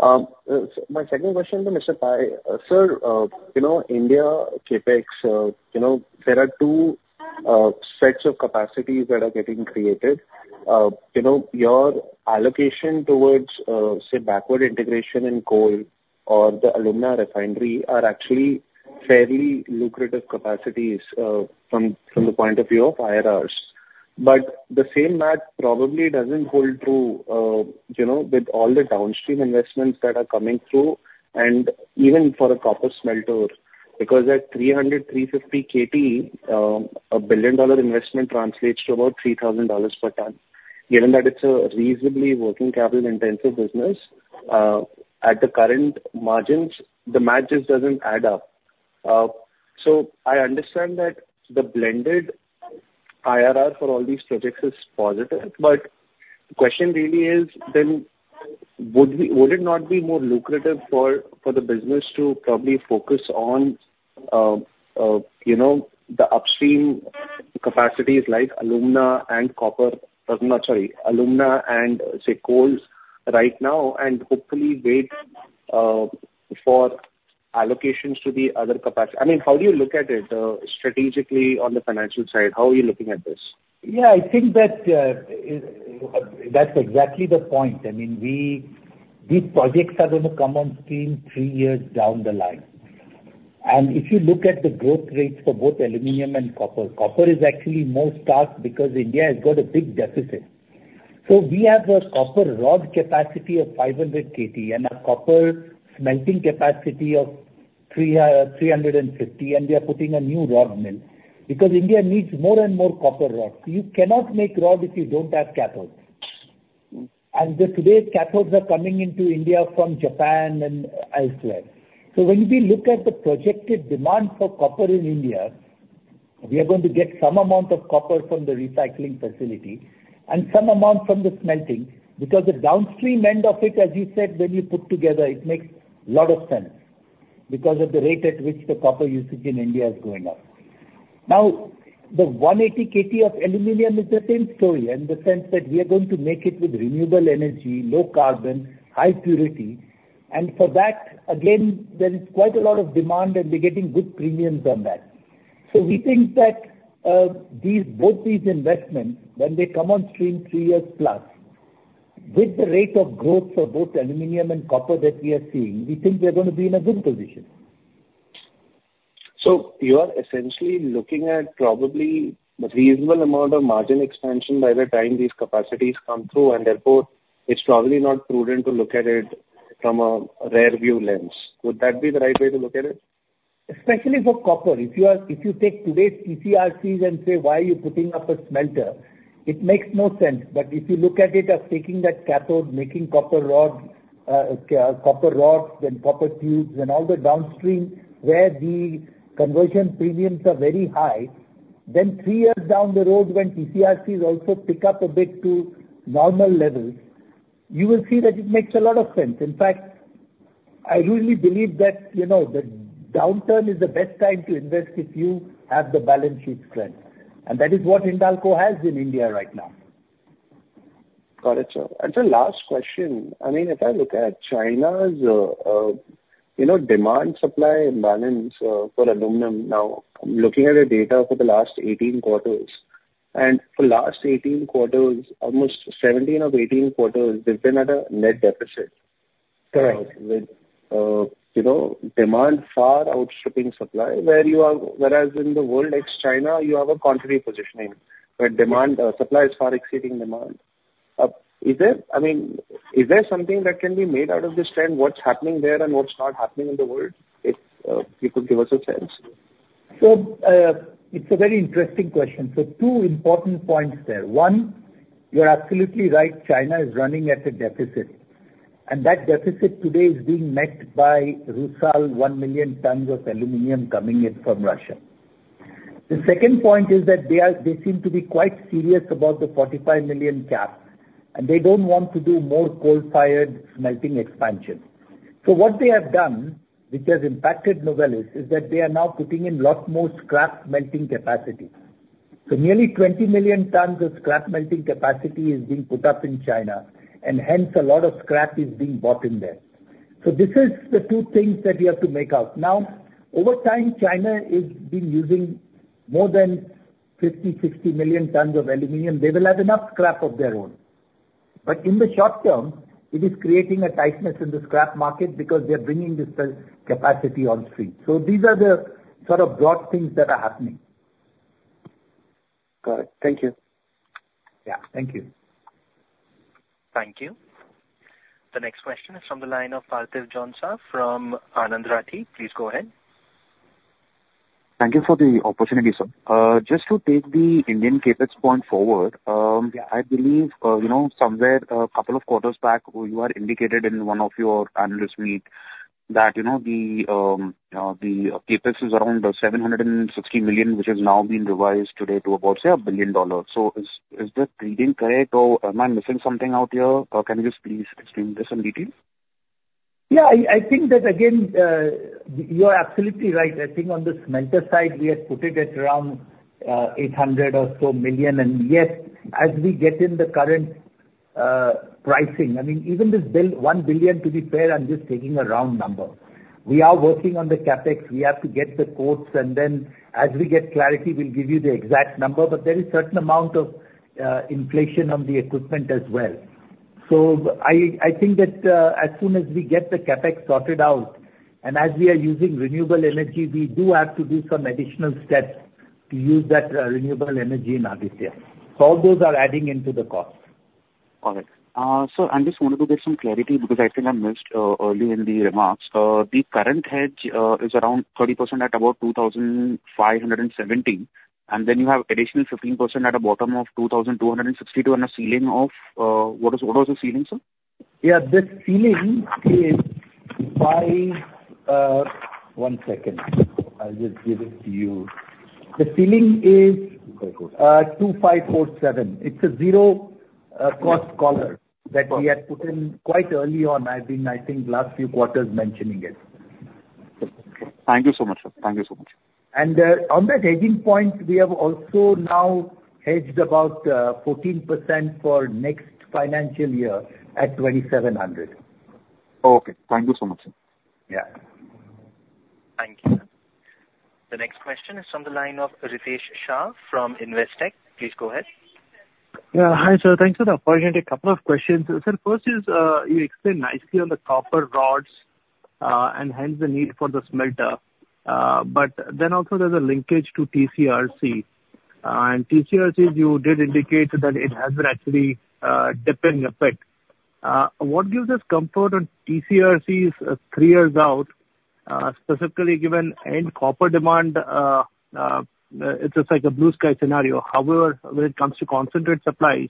My second question to Mr. Pai. Sir, India, CapEx, there are two sets of capacities that are getting created. Your allocation towards, say, backward integration in coal or the alumina refinery are actually fairly lucrative capacities from the point of view of IRRs. But the same math probably doesn't hold true with all the downstream investments that are coming through, and even for a copper smelter, because at 300-350 KT, a $1 billion investment translates to about $3,000 per ton. Given that it's a reasonably working capital-intensive business, at the current margins, the math just doesn't add up. So I understand that the blended IRR for all these projects is positive. But the question really is, then would it not be more lucrative for the business to probably focus on the upstream capacities like alumina and copper? Sorry. Alumina and, say, coals right now, and hopefully wait for allocations to the other capacity. I mean, how do you look at it strategically on the financial side? How are you looking at this? Yeah. I think that that's exactly the point. I mean, these projects are going to come on stream three years down the line, and if you look at the growth rates for both aluminum and copper, copper is actually more stark because India has got a big deficit, so we have a copper rod capacity of 500 KT and a copper smelting capacity of 350, and we are putting a new rod mill because India needs more and more copper rods. You cannot make rod if you don't have cathodes, and today, cathodes are coming into India from Japan and elsewhere. So when we look at the projected demand for copper in India, we are going to get some amount of copper from the recycling facility and some amount from the smelting because the downstream end of it, as you said, when you put together, it makes a lot of sense because of the rate at which the copper usage in India is going up. Now, the 180 KT of aluminum is the same story in the sense that we are going to make it with renewable energy, low carbon, high purity. And for that, again, there is quite a lot of demand, and we're getting good premiums on that. So we think that both these investments, when they come on stream three years plus, with the rate of growth for both aluminum and copper that we are seeing, we think we're going to be in a good position. So you are essentially looking at probably a reasonable amount of margin expansion by the time these capacities come through, and therefore, it's probably not prudent to look at it from a rearview lens. Would that be the right way to look at it? Especially for copper. If you take today's TC/RCs and say, "Why are you putting up a smelter?" it makes no sense. But if you look at it as taking that cathode, making copper rods, then copper tubes, and all the downstream where the conversion premiums are very high, then three years down the road, when TC/RCs also pick up a bit to normal levels, you will see that it makes a lot of sense. In fact, I really believe that the downturn is the best time to invest if you have the balance sheet strength. And that is what Hindalco has in India right now. Got it, sir. And the last question. I mean, if I look at China's demand-supply balance for aluminum now, I'm looking at the data for the last 18 quarters. And for last 18 quarters, almost 17 of 18 quarters, they've been at a net deficit. Correct. With demand far outstripping supply, whereas in the world ex-China, you have a contrary positioning where supply is far exceeding demand. I mean, is there something that can be made out of this trend? What's happening there and what's not happening in the world? If you could give us a sense. So it's a very interesting question. So two important points there. One, you're absolutely right. China is running at a deficit. And that deficit today is being met by Rusal, one million tons of aluminum coming in from Russia. The second point is that they seem to be quite serious about the 45 million cap, and they don't want to do more coal-fired smelting expansion. So what they have done, which has impacted Novelis, is that they are now putting in a lot more scrap melting capacity. So nearly 20 million tons of scrap melting capacity is being put up in China, and hence a lot of scrap is being bought in there. So this is the two things that you have to make out. Now, over time, China has been using more than 50, 60 million tons of aluminum. They will have enough scrap of their own. But in the short term, it is creating a tightness in the scrap market because they're bringing this capacity on stream. So these are the sort of broad things that are happening. Got it. Thank you. Yeah. Thank you. Thank you. The next question is from the line of Parthiv Jhonsa from Anand Rathi. Please go ahead. Thank you for the opportunity, sir. Just to take the Indian CapEx point forward, I believe somewhere a couple of quarters back, you were indicated in one of your analyst meets that the CapEx is around $760 million, which has now been revised today to about, say, $1 billion. So is that reading correct, or am I missing something out here? Can you just please explain this in detail? Yeah. I think that, again, you're absolutely right. I think on the smelter side, we have put it at around $800 million or so. And yet, as we get in the current pricing, I mean, even this $1 billion, to be fair, I'm just taking a round number. We are working on the CapEx. We have to get the quotes. And then as we get clarity, we'll give you the exact number. But there is a certain amount of inflation on the equipment as well. So I think that as soon as we get the CapEx sorted out and as we are using renewable energy, we do have to do some additional steps to use that renewable energy in our detail. So all those are adding into the cost. Got it. Sir, I just wanted to get some clarity because I think I missed early in the remarks. The current hedge is around 30% at about 2,570. And then you have additional 15% at a bottom of 2,262 and a ceiling of what was the ceiling, sir? Yeah. The ceiling is in one second. I'll just give it to you. The ceiling is 2,547. It's a zero-cost collar that we had put in quite early on. I've been, I think, last few quarters mentioning it. Thank you so much, sir. Thank you so much. On that hedging point, we have also now hedged about 14% for next financial year at 2,700. Okay. Thank you so much, sir. Yeah. Thank you. The next question is from the line of Ritesh Shah from Investec. Please go ahead. Hi, sir. Thanks for the opportunity. A couple of questions. Sir, first is you explained nicely on the copper rods and hence the need for the smelter. Then also there's a linkage to TCRC. And TCRC, you did indicate that it has been actually dipping a bit. What gives us comfort on TCRCs three years out, specifically given end copper demand? It's just like a blue sky scenario. However, when it comes to concentrated supplies,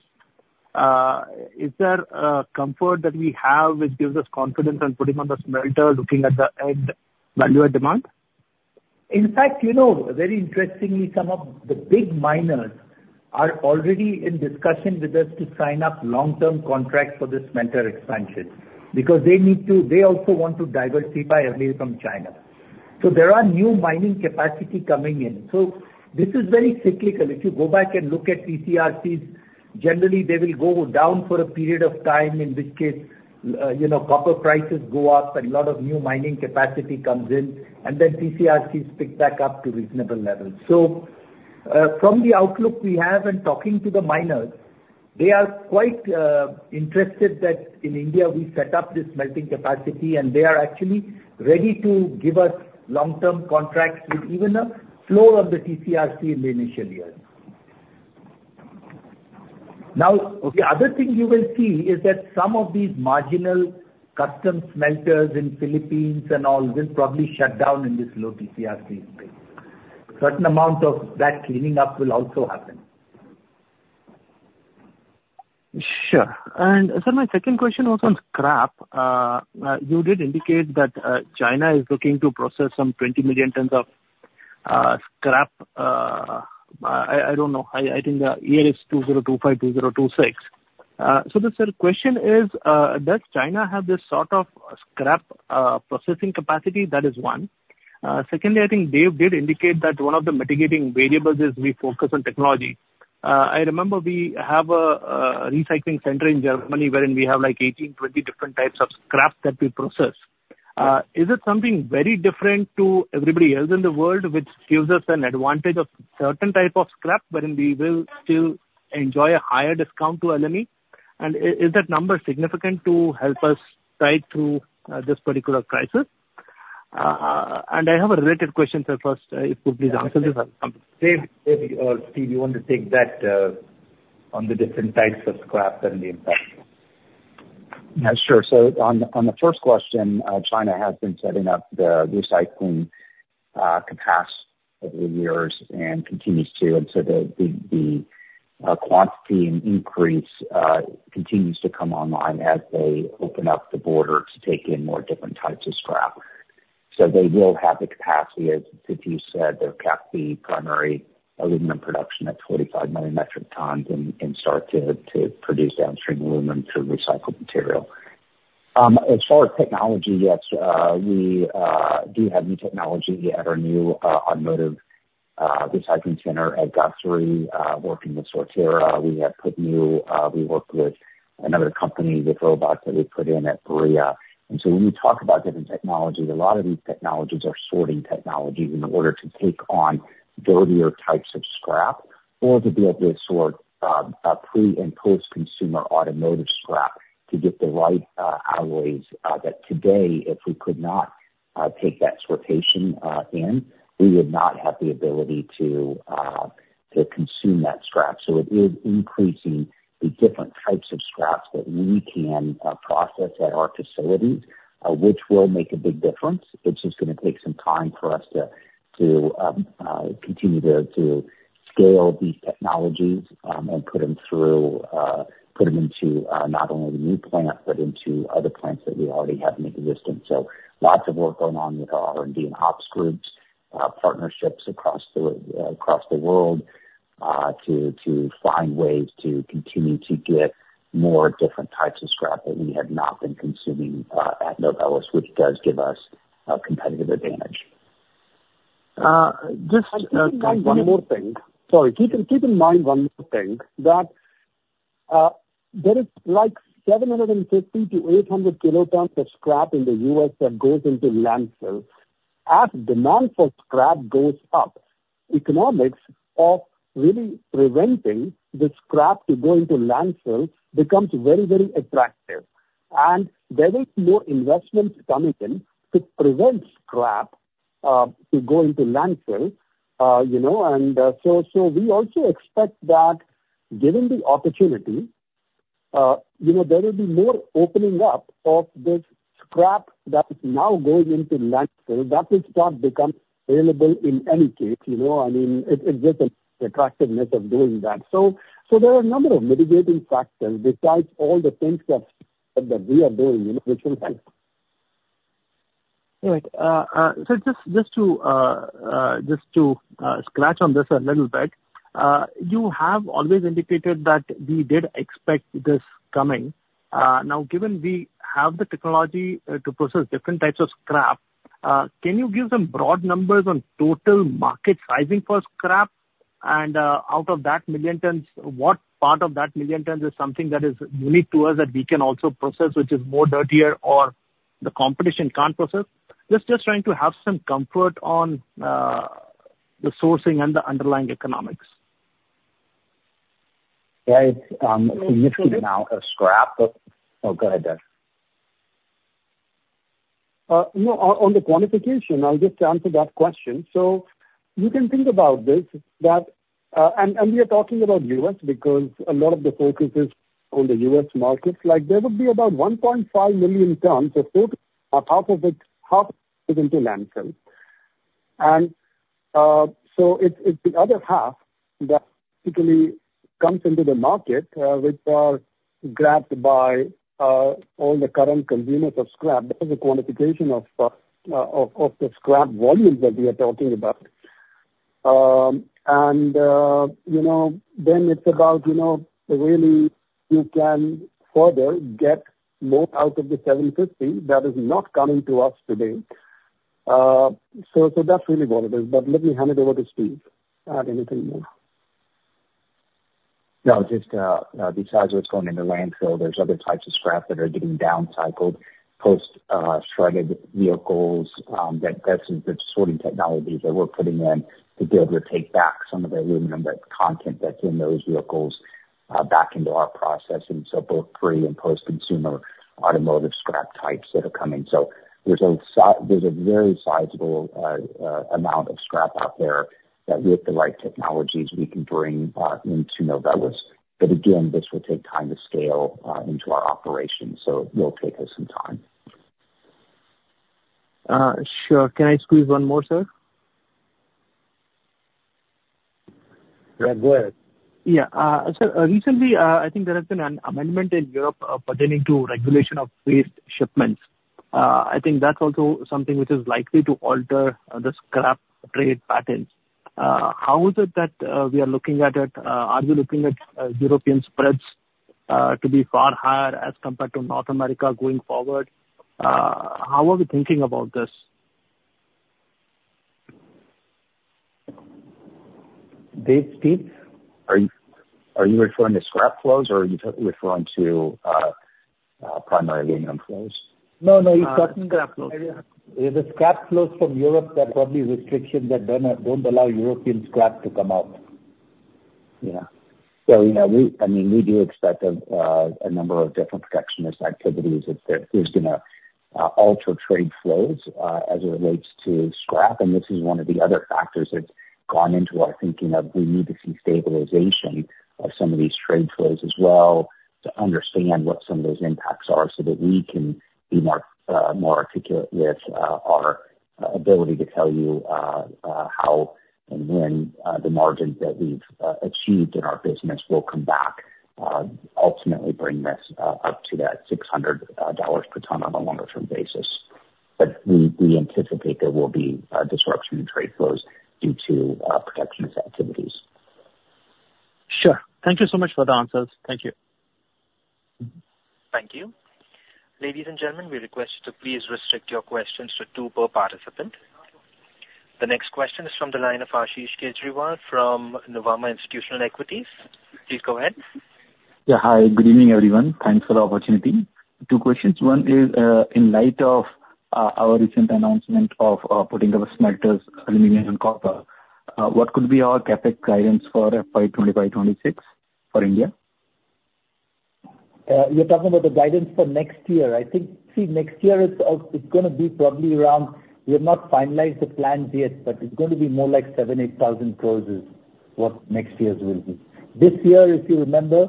is there a comfort that we have which gives us confidence on putting on the smelter, looking at the end value at demand? In fact, very interestingly, some of the big miners are already in discussion with us to sign up long-term contracts for this smelter expansion because they also want to diversify away from China. So there are new mining capacity coming in. So this is very cyclical. If you go back and look at TCRCs, generally, they will go down for a period of time, in which case copper prices go up and a lot of new mining capacity comes in, and then TCRCs pick back up to reasonable levels. From the outlook we have and talking to the miners, they are quite interested that in India, we set up this melting capacity, and they are actually ready to give us long-term contracts with even a floor on the TCRC in the initial years. Now, the other thing you will see is that some of these marginal custom smelters in the Philippines and all will probably shut down in this low TCRC space. Certain amount of that cleaning up will also happen. Sure. And sir, my second question was on scrap. You did indicate that China is looking to process some 20 million tons of scrap. I don't know. I think the year is 2025, 2026. So the question is, does China have this sort of scrap processing capacity? That is one. Secondly, I think Dev did indicate that one of the mitigating variables is we focus on technology. I remember we have a recycling center in Germany wherein we have like 18, 20 different types of scrap that we process. Is it something very different to everybody else in the world, which gives us an advantage of certain type of scrap wherein we will still enjoy a higher discount to LME? And is that number significant to help us fight through this particular crisis? And I have a related question, sir. First, if you could please answer this one. Dev, Steve, you want to take that on the different types of scrap and the impact? Yeah. Sure. So on the first question, China has been setting up the recycling capacity over the years and continues to. And so the quantity and increase continues to come online as they open up the border to take in more different types of scrap. They will have the capacity, as Stevie said. They've capped the primary aluminum production at 45 million metric tons and start to produce downstream aluminum through recycled material. As far as technology, yes, we do have new technology at our new automotive recycling center at Guthrie, working with Sortera. We worked with another company with robots that we put in at Berea. When we talk about different technologies, a lot of these technologies are sorting technologies in order to take on dirtier types of scrap or to be able to sort pre- and post-consumer automotive scrap to get the right alloys that today, if we could not take that sortation in, we would not have the ability to consume that scrap. It is increasing the different types of scraps that we can process at our facilities, which will make a big difference. It's just going to take some time for us to continue to scale these technologies and put them through, put them into not only the new plant, but into other plants that we already have in existence. So lots of work going on with our R&D and ops groups, partnerships across the world to find ways to continue to get more different types of scrap that we have not been consuming at Novelis, which does give us a competitive advantage. Just one more thing. Sorry. Keep in mind one more thing that there is like 750-800 kilotons of scrap in the U.S. that goes into landfill. As demand for scrap goes up, economics of really preventing the scrap to go into landfill becomes very, very attractive, and there will be more investments coming in to prevent scrap to go into landfill. And so we also expect that given the opportunity, there will be more opening up of this scrap that is now going into landfill that will start to become available in any case. I mean, it gives us the attractiveness of doing that. So there are a number of mitigating factors besides all the things that we are doing, which will help. All right. So just to scratch on this a little bit, you have always indicated that we did expect this coming. Now, given we have the technology to process different types of scrap, can you give some broad numbers on total market sizing for scrap? And out of that million tons, what part of that million tons is something that is unique to us that we can also process, which is more dirtier or the competition can't process? Just trying to have some comfort on the sourcing and the underlying economics. Yeah. It's a significant amount of scrap. Oh, go ahead, Dev. No, on the quantification, I'll just answer that question. So you can think about this that and we are talking about the U.S. because a lot of the focus is on the U.S. markets. There would be about 1.5 million tons of total scrap, half of it goes into landfill, and so it's the other half that typically comes into the market, which are grabbed by all the current consumers of scrap. This is a quantification of the scrap volumes that we are talking about, and then it's about really you can further get more out of the 750 that is not coming to us today. So that's really what it is, but let me hand it over to Steve. Anything more? No, just besides what's going in the landfill, there's other types of scrap that are getting downcycled, post-shredded vehicles. That's the sorting technology that we're putting in to be able to take back some of the aluminum content that's in those vehicles back into our processing. So both pre and post-consumer automotive scrap types that are coming. So there's a very sizable amount of scrap out there that, with the right technologies, we can bring into Novelis. But again, this will take time to scale into our operation. So it will take us some time. Sure. Can I squeeze one more, sir? Yeah. Go ahead. Yeah. So recently, I think there has been an amendment in Europe pertaining to regulation of waste shipments. I think that's also something which is likely to alter the scrap trade patterns. How is it that we are looking at it? Are we looking at European spreads to be far higher as compared to North America going forward? How are we thinking about this? Dev, Steve? Are you referring to scrap flows or are you referring to primary aluminum flows? No, no. You've gotten scrap flows. The scrap flows from Europe, there are probably restrictions that don't allow European scrap to come out. Yeah. So I mean, we do expect a number of different protectionist activities that is going to alter trade flows as it relates to scrap. And this is one of the other factors that's gone into our thinking of we need to see stabilization of some of these trade flows as well to understand what some of those impacts are so that we can be more articulate with our ability to tell you how and when the margins that we've achieved in our business will come back, ultimately bring this up to that $600 per ton on a longer-term basis. But we anticipate there will be disruption in trade flows due to protectionist activities. Sure. Thank you so much for the answers. Thank you. Thank you. Ladies and gentlemen, we request you to please restrict your questions to two per participant. The next question is from the line of Ashish Kejriwal from Nuvama Institutional Equities. Please go ahead. Yeah. Hi. Good evening, everyone. Thanks for the opportunity. Two questions. One is, in light of our recent announcement of putting our smelters, aluminum and copper, what could be our CapEx guidance for FY 25/26 for India? You're talking about the guidance for next year. I think, Steve, next year is going to be probably around. We have not finalized the plans yet, but it's going to be more like 7,000-8,000 crores what next year's will be. This year, if you remember,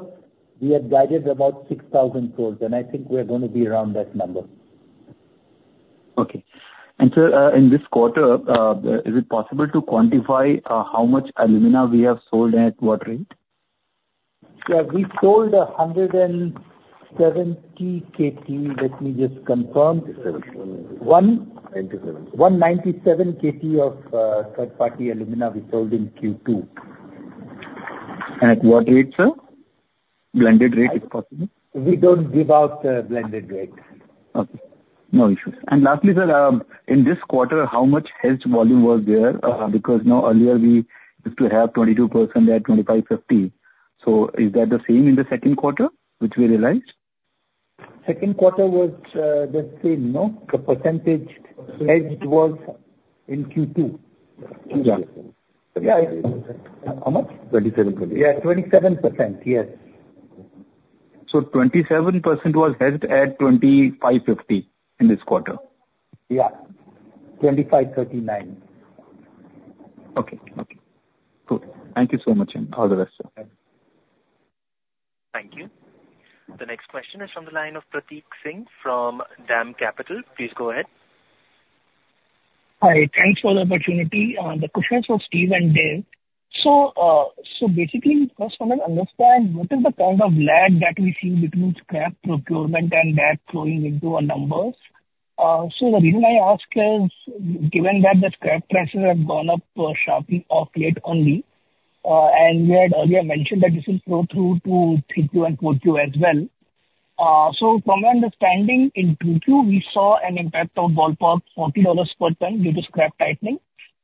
we had guided about 6,000 crores. I think we are going to be around that number. Okay. And sir, in this quarter, is it possible to quantify how much alumina we have sold and at what rate? Yeah. We sold 170 KT. Let me just confirm. 197 KT of third-party alumina we sold in Q2. At what rate, sir? Blended rate, if possible? We don't give out blended rate. Okay. No issues. And lastly, sir, in this quarter, how much hedge volume was there? Because earlier, we used to have 22% at 25/50. So is that the same in the second quarter, which we realized? Second quarter was the same. No, the percentage hedged was in Q2. Yeah. How much? 27%. Yeah. 27%. Yes. So 27% was hedged at 25/50 in this quarter? Yeah. 25/39. Okay. Okay. Good. Thank you so much, and all the best, sir. Thank you. The next question is from the line of Prateek Singh from DAM Capital. Please go ahead. Hi. Thanks for the opportunity. The question is for Steve and Dev. So basically, first, I want to understand what is the kind of lag that we see between scrap procurement and that flowing into our numbers. The reason I ask is, given that the scrap prices have gone up sharply of late only, and you had earlier mentioned that this will flow through to Q2 and Q4 as well. From my understanding, in Q2, we saw an impact of ballpark $40 per ton due to scrap tightening.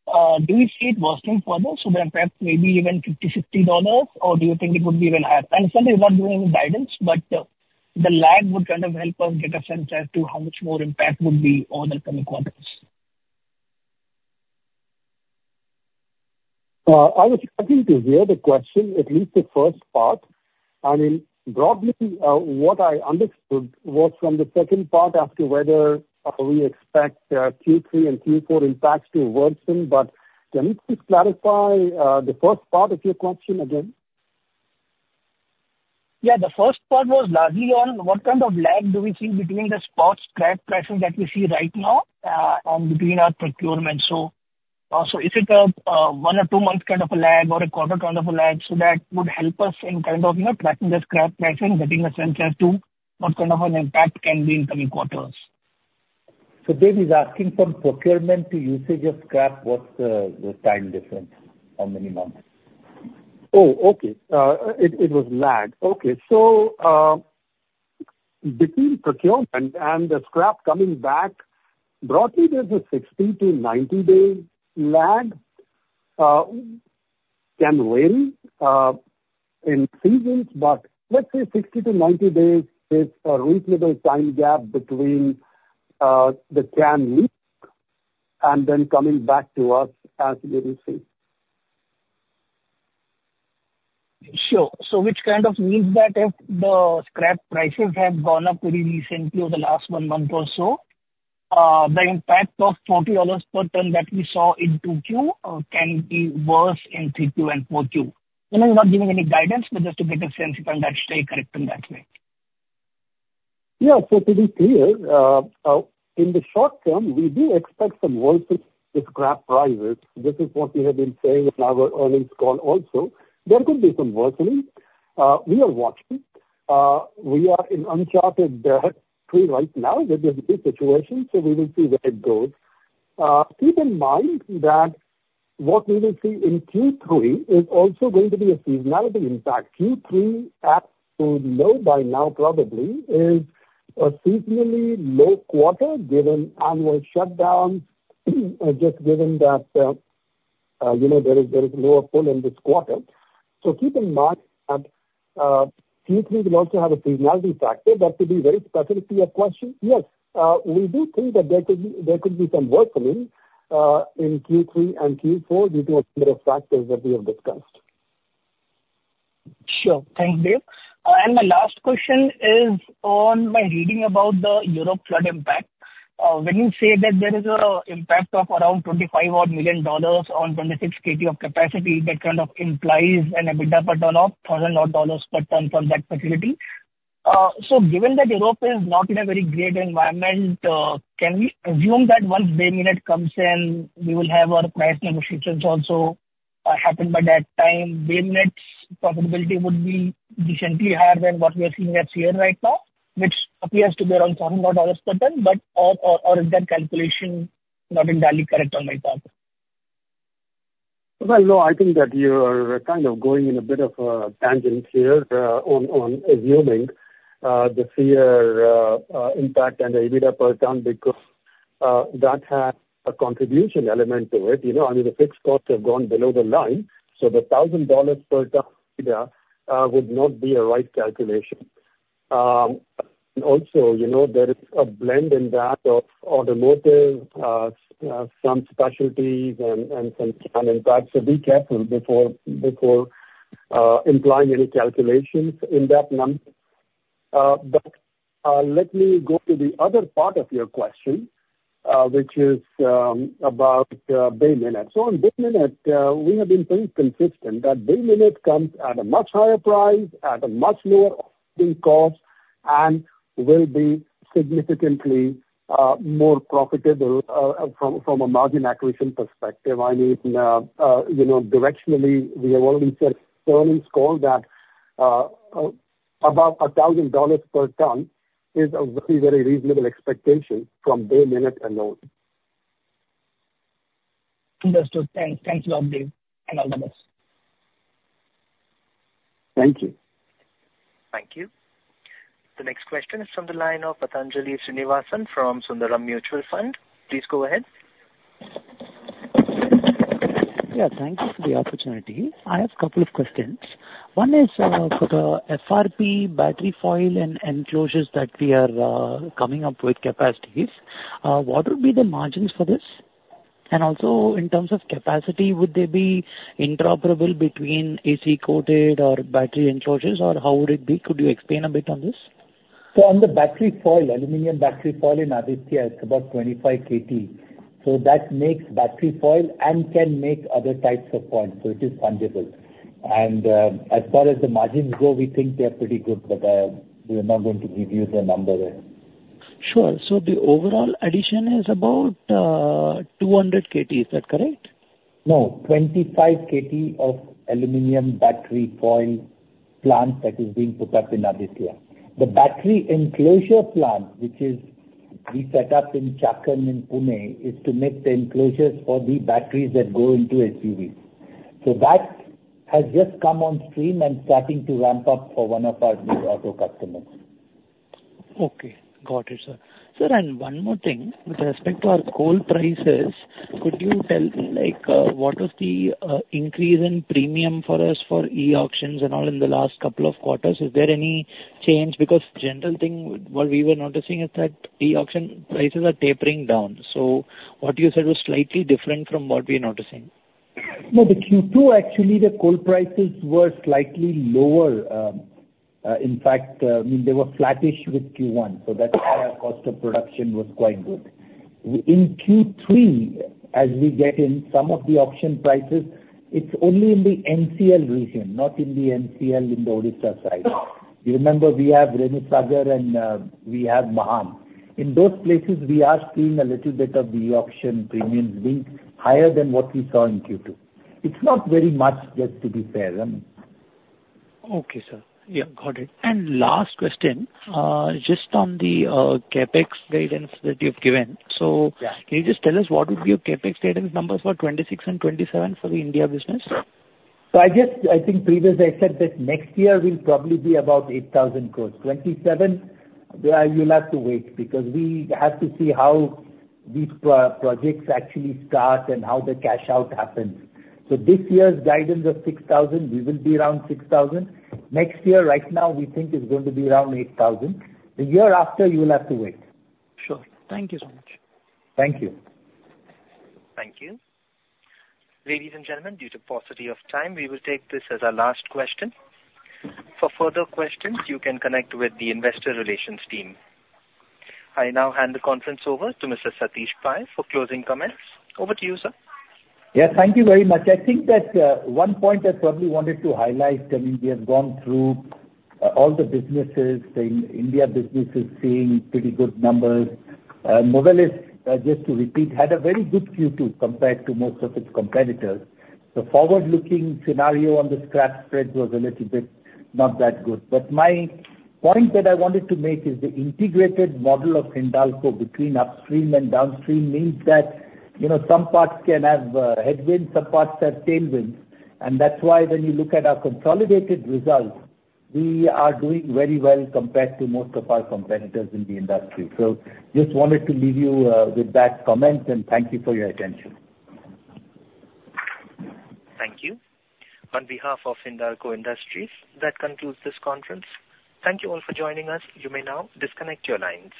Do we see it worsening further? The impact may be even $50-$60, or do you think it would be even higher? Certainly, we're not giving any guidance, but the lag would kind of help us get a sense as to how much more impact would be over the coming quarters. I was expecting to hear the question, at least the first part. I mean, broadly, what I understood was from the second part as to whether we expect Q3 and Q4 impacts to worsen. But can you please clarify the first part of your question again? Yeah. The first part was largely on what kind of lag do we see between the spot scrap prices that we see right now and between our procurement? So is it a one- or two-month kind of a lag or a quarter kind of a lag? So that would help us in kind of tracking the scrap pricing, getting a sense as to what kind of an impact can be in coming quarters. So Dev is asking from procurement to usage of scrap, what's the time difference? How many months? Oh, okay. It was lag. Okay. So between procurement and the scrap coming back, broadly, there's a 60-90-day lag. Can vary in seasons, but let's say 60 to 90 days is a reasonable time gap between the can leak and then coming back to us as we receive. Sure. So which kind of means that if the scrap prices have gone up really recently over the last one month or so, the impact of $40 per ton that we saw in Q2 can be worse in Q2 and Q4? You're not giving any guidance, but just to get a sense if I'm correct in that way. Yeah. So to be clear, in the short term, we do expect some worsening of scrap prices. This is what we have been saying in our earnings call also. There could be some worsening. We are watching. We are in uncharted territory right now. This is the situation. So we will see where it goes. Keep in mind that what we will see in Q3 is also going to be a seasonality impact. Q3, as we know by now, probably is a seasonally low quarter given annual shutdown, just given that there is lower pull in this quarter. So keep in mind that Q3 will also have a seasonality factor. That could be very specific to your question. Yes. We do think that there could be some worsening in Q3 and Q4 due to a number of factors that we have discussed. Sure. Thank you. And my last question is on my reading about the Europe flood impact. When you say that there is an impact of around $25 million on 26 KT of capacity, that kind of implies an EBITDA per ton of $1,000 per ton from that facility. So given that Europe is not in a very great environment, can we assume that once Bay Minette comes in, we will have our price negotiations also happen by that time? Bay Minette's profitability would be decently higher than what we are seeing at Sierre right now, which appears to be around $1,000 per ton, or is that calculation not entirely correct on my part? Well, no, I think that you are kind of going in a bit of a tangent here on assuming the Sierre impact and the EBITDA per ton because that has a contribution element to it. I mean, the fixed costs have gone below the line. So the $1,000 per ton EBITDA would not be a right calculation. Also, there is a blend in that of automotive, some specialties, and some can. In fact, so be careful before implying any calculations in that number. But let me go to the other part of your question, which is about Bay Minette. So on Bay Minette, we have been pretty consistent that Bay Minette comes at a much higher price, at a much lower cost, and will be significantly more profitable from a margin acquisition perspective. I mean, directionally, we have already said in earnings call that about $1,000 per ton is a very, very reasonable expectation from Bay Minette alone. Understood. Thanks. Thanks a lot, Dev. And all the best. Thank you. Thank you. The next question is from the line of Patanjali Srinivasan from Sundaram Mutual Fund. Please go ahead. Yeah. Thank you for the opportunity. I have a couple of questions. One is for the FRP battery foil and enclosures that we are coming up with capacities. What would be the margins for this? Also, in terms of capacity, would they be interoperable between AC-coated or battery enclosures, or how would it be? Could you explain a bit on this? So on the battery foil, aluminum battery foil in Aditya, it's about 25 KT. So that makes battery foil and can make other types of foil. So it is fungible. And as far as the margins go, we think they're pretty good, but we're not going to give you the number there. Sure. So the overall addition is about 200 KT. Is that correct? No, 25 KT of aluminum battery foil plant that is being put up in Aditya. The battery enclosure plant, which we set up in Chakan in Pune, is to make the enclosures for the batteries that go into SUVs. So that has just come on stream and starting to ramp up for one of our auto customers. Okay. Got it, sir. Sir, and one more thing. With respect to our coal prices, could you tell me what was the increase in premium for us for e-auctions and all in the last couple of quarters? Is there any change? Because the general thing, what we were noticing is that e-auction prices are tapering down. So what you said was slightly different from what we are noticing. No, the Q2, actually, the coal prices were slightly lower. In fact, I mean, they were flattish with Q1. So that's why our cost of production was quite good. In Q3, as we get in some of the auction prices, it's only in the NCL region, not in the MCL in the Odisha side. You remember we have Renusagar and we have Mahan. In those places, we are seeing a little bit of the auction premiums being higher than what we saw in Q2. It's not very much, just to be fair. Okay, sir. Yeah. Got it. And last question, just on the CapEx guidance that you've given. So can you just tell us what would be your CapEx guidance numbers for 26 and 27 for the India business? So I think previously I said that next year will probably be about 8,000 crores. 27, you'll have to wait because we have to see how these projects actually start and how the cash out happens. So this year's guidance of 6,000, we will be around 6,000. Next year, right now, we think it's going to be around 8,000. The year after, you will have to wait. Sure. Thank you so much. Thank you. Thank you. Ladies and gentlemen, due to paucity of time, we will take this as our last question. For further questions, you can connect with the investor relations team. I now hand the conference over to Mr. Satish Pai for closing comments. Over to you, sir. Yeah. Thank you very much. I think that one point I probably wanted to highlight. I mean, we have gone through all the businesses. The India business is seeing pretty good numbers. Novelis, just to repeat, had a very good Q2 compared to most of its competitors. The forward-looking scenario on the scrap spread was a little bit not that good. But my point that I wanted to make is the integrated model of Hindalco between upstream and downstream means that some parts can have headwinds, some parts have tailwinds. And that's why when you look at our consolidated results, we are doing very well compared to most of our competitors in the industry. So just wanted to leave you with that comment, and thank you for your attention. Thank you. On behalf of Hindalco Industries, that concludes this conference. Thank you all for joining us. You may now disconnect your lines.